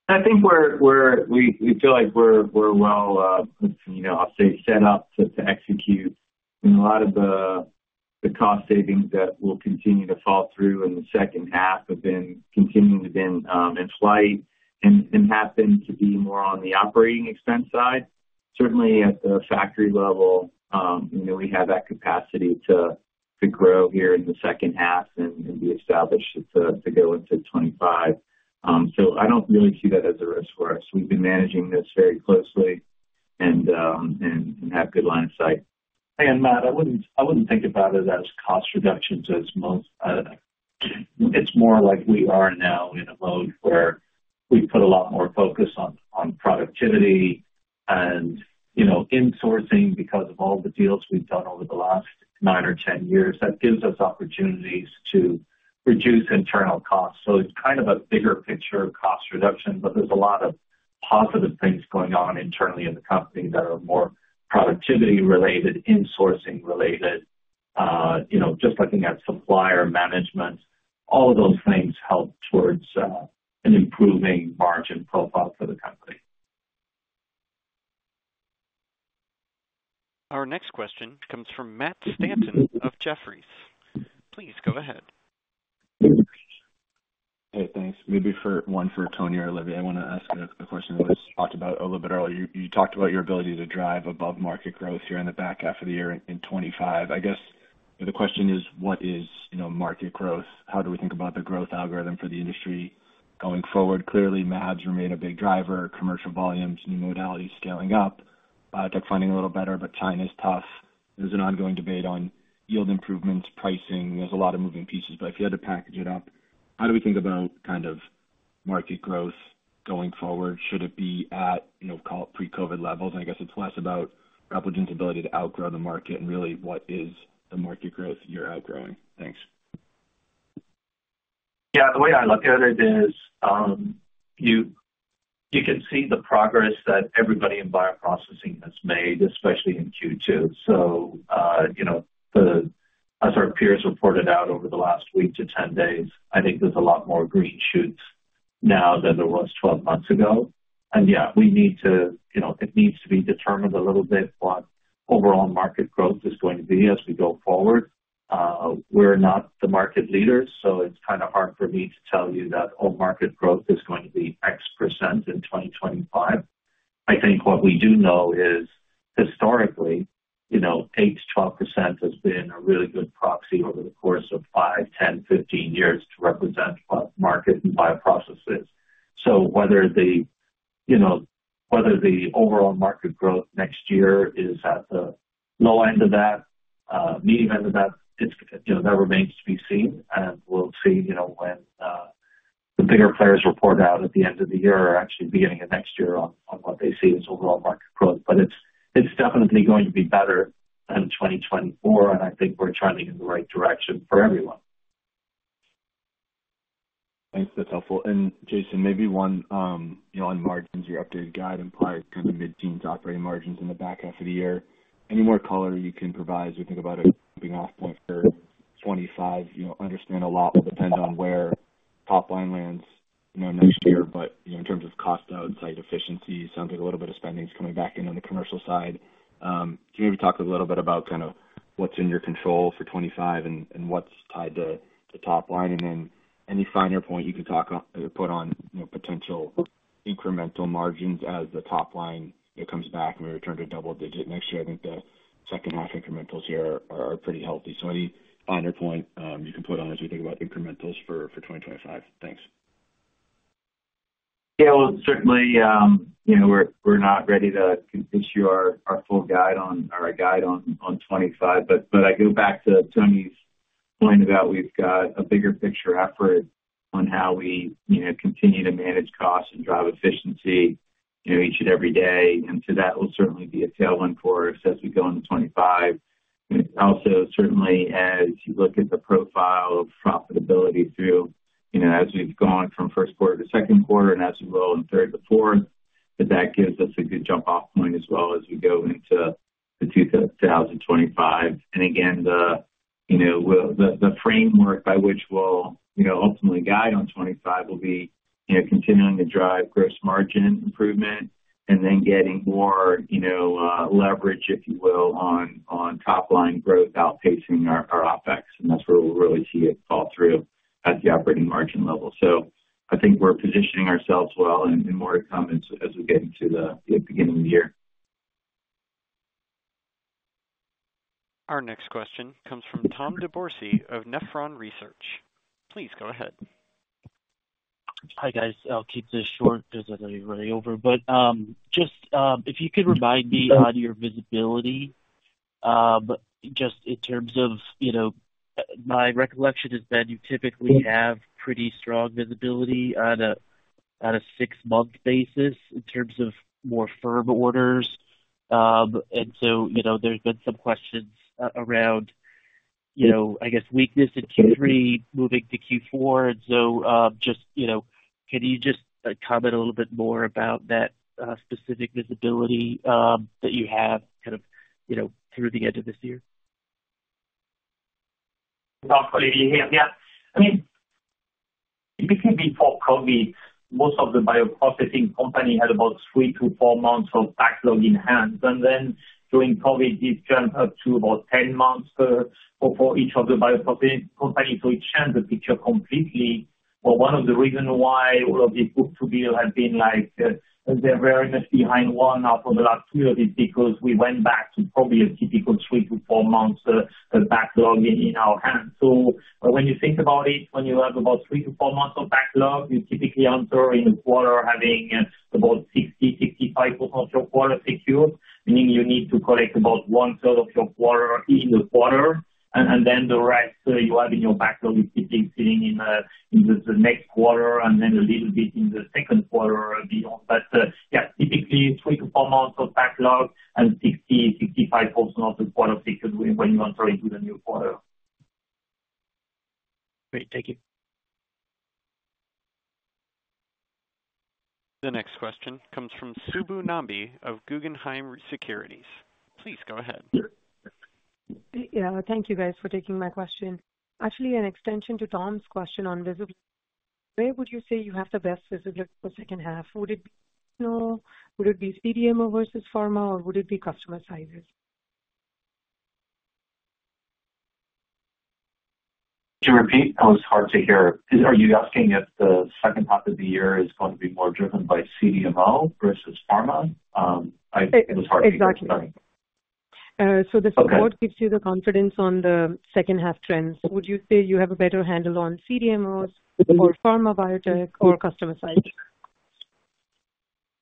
I think we feel like we're well, I'll say, set up to execute. And a lot of the cost savings that will continue to fall through in the second half have been continuing to be in flight and have been to be more on the operating expense side. Certainly, at the factory level, we have that capacity to grow here in the second half and be established to go into 2025. So I don't really see that as a risk for us. We've been managing this very closely and have good line of sight. And Matt, I wouldn't think about it as cost reductions as most. It's more like we are now in a mode where we put a lot more focus on productivity and insourcing because of all the deals we've done over the last 9 or 10 years. That gives us opportunities to reduce internal costs. It's kind of a bigger picture cost reduction, but there's a lot of positive things going on internally in the company that are more productivity-related, insourcing-related, just looking at supplier management. All of those things help towards an improving margin profile for the company. Our next question comes from Matt Stanton of Jefferies. Please go ahead. Hey, thanks. Maybe one for Tony or Olivier. I want to ask a question I just talked about a little bit earlier. You talked about your ability to drive above market growth here in the back half of the year in 2025. I guess the question is, what is market growth? How do we think about the growth algorithm for the industry going forward? Clearly, mAbs remain a big driver, commercial volumes, new modalities scaling up, biotech funding a little better, but China is tough. There's an ongoing debate on yield improvements, pricing. There's a lot of moving pieces. But if you had to package it up, how do we think about kind of market growth going forward? Should it be at, call it, pre-COVID levels? And I guess it's less about Repligen's ability to outgrow the market and really what is the market growth you're outgrowing? Thanks. Yeah, the way I look at it is you can see the progress that everybody in bioprocessing has made, especially in Q2. So as our peers reported out over the last week to 10 days, I think there's a lot more green shoots now than there was 12 months ago. And yeah, we need to—it needs to be determined a little bit what overall market growth is going to be as we go forward. We're not the market leaders, so it's kind of hard for me to tell you that all market growth is going to be X% in 2025. I think what we do know is historically, 8%-12% has been a really good proxy over the course of 5, 10, 15 years to represent what market and bioprocess is. Whether the overall market growth next year is at the low end of that, medium end of that, that remains to be seen. We'll see when the bigger players report out at the end of the year or actually beginning of next year on what they see as overall market growth. It's definitely going to be better than 2024, and I think we're trending in the right direction for everyone. Thanks. That's helpful. And Jason, maybe one on margins, your updated guidance kind of mid-teens operating margins in the back half of the year. Any more color you can provide as we think about a jumping-off point for 2025? Understand a lot will depend on where top line lands next year, but in terms of cost outside efficiency, it sounds like a little bit of spending is coming back in on the commercial side. Can you maybe talk a little bit about kind of what's in your control for 2025 and what's tied to top line? And then any finer point you can put on potential incremental margins as the top line comes back and we return to double-digit next year, I think the second half incrementals here are pretty healthy. So any finer point you can put on as we think about incrementals for 2025? Thanks. Yeah, well, certainly, we're not ready to issue our full guide on 2025. But I go back to Tony's point about we've got a bigger picture effort on how we continue to manage costs and drive efficiency each and every day. And so that will certainly be a tailwind for us as we go into 2025. Also, certainly, as you look at the profile of profitability through as we've gone from first quarter to second quarter and as we roll in third to fourth, that that gives us a good jump-off point as well as we go into the 2025. And again, the framework by which we'll ultimately guide on 2025 will be continuing to drive gross margin improvement and then getting more leverage, if you will, on top line growth outpacing our OpEx. And that's where we'll really see it fall through at the operating margin level. I think we're positioning ourselves well and more to come as we get into the beginning of the year. Our next question comes from Tom DeBourcy of Nephron Research. Please go ahead. Hi guys. I'll keep this short because I'm already over. But just if you could remind me on your visibility, just in terms of my recollection has been you typically have pretty strong visibility on a six-month basis in terms of more firm orders. And so there's been some questions around, I guess, weakness in Q3 moving to Q4. And so just can you just comment a little bit more about that specific visibility that you have kind of through the end of this year? Yeah. I mean, specifically for COVID, most of the bioprocessing company had about 3-4 months of backlog in hand. And then during COVID, it jumped up to about 10 months for each of the bioprocessing companies. So it changed the picture completely. Well, one of the reasons why all of these book-to-bill have been like they're very much behind one now for the last two years is because we went back to probably a typical 3-4 months of backlog in our hands. So when you think about it, when you have about 3-4 months of backlog, you typically enter in the quarter having about 60%-65% of your quarter secured, meaning you need to collect about 1/3 of your quarter in the quarter. And then the rest you have in your backlog is typically sitting in the next quarter and then a little bit in the second quarter beyond. But yeah, typically 3-4 months of backlog and 60%-65% of the quarter secured when you enter into the new quarter. Great. Thank you. The next question comes from Subbu Nambi of Guggenheim Securities. Please go ahead. Yeah. Thank you, guys, for taking my question. Actually, an extension to Tom's question on visibility. Where would you say you have the best visibility for second half? Would it be CDMO versus pharma, or would it be customer sizes? Could you repeat? That was hard to hear. Are you asking if the second half of the year is going to be more driven by CDMO versus pharma? It was hard to hear. Sorry. Exactly. So the support gives you the confidence on the second-half trends. Would you say you have a better handle on CDMOs or pharma biotech or customer size?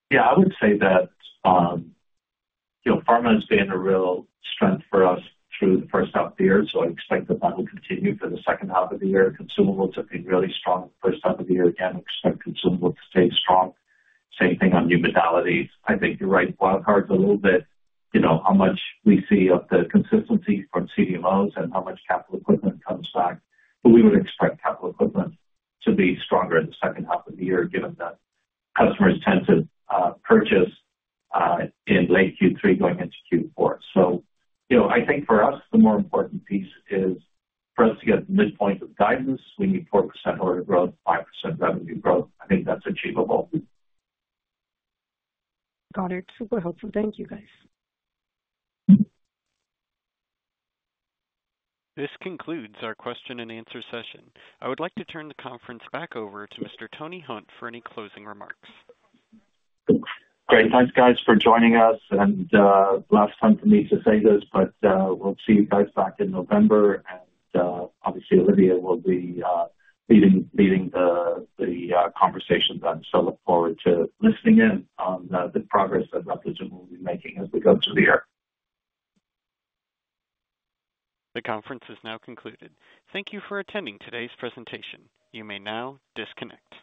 Yeah. I would say that pharma has been a real strength for us through the first half of the year. So I expect that that will continue for the second half of the year. Consumables have been really strong the first half of the year. Again, I expect consumables to stay strong. Same thing on new modalities. I think you're right. Wildcards a little bit, how much we see of the consistency from CDMOs and how much capital equipment comes back. But we would expect capital equipment to be stronger in the second half of the year given that customers tend to purchase in late Q3 going into Q4. So I think for us, the more important piece is for us to get to the midpoint of guidance. We need 4% order growth, 5% revenue growth. I think that's achievable. Got it. Super helpful. Thank you, guys. This concludes our question and answer session. I would like to turn the conference back over to Mr. Tony Hunt for any closing remarks. Great. Thanks, guys, for joining us. Last time for me to say this, but we'll see you guys back in November. Obviously, Olivier will be leading the conversation then. I look forward to listening in on the progress that Repligen will be making as we go through the year. The conference is now concluded. Thank you for attending today's presentation. You may now disconnect.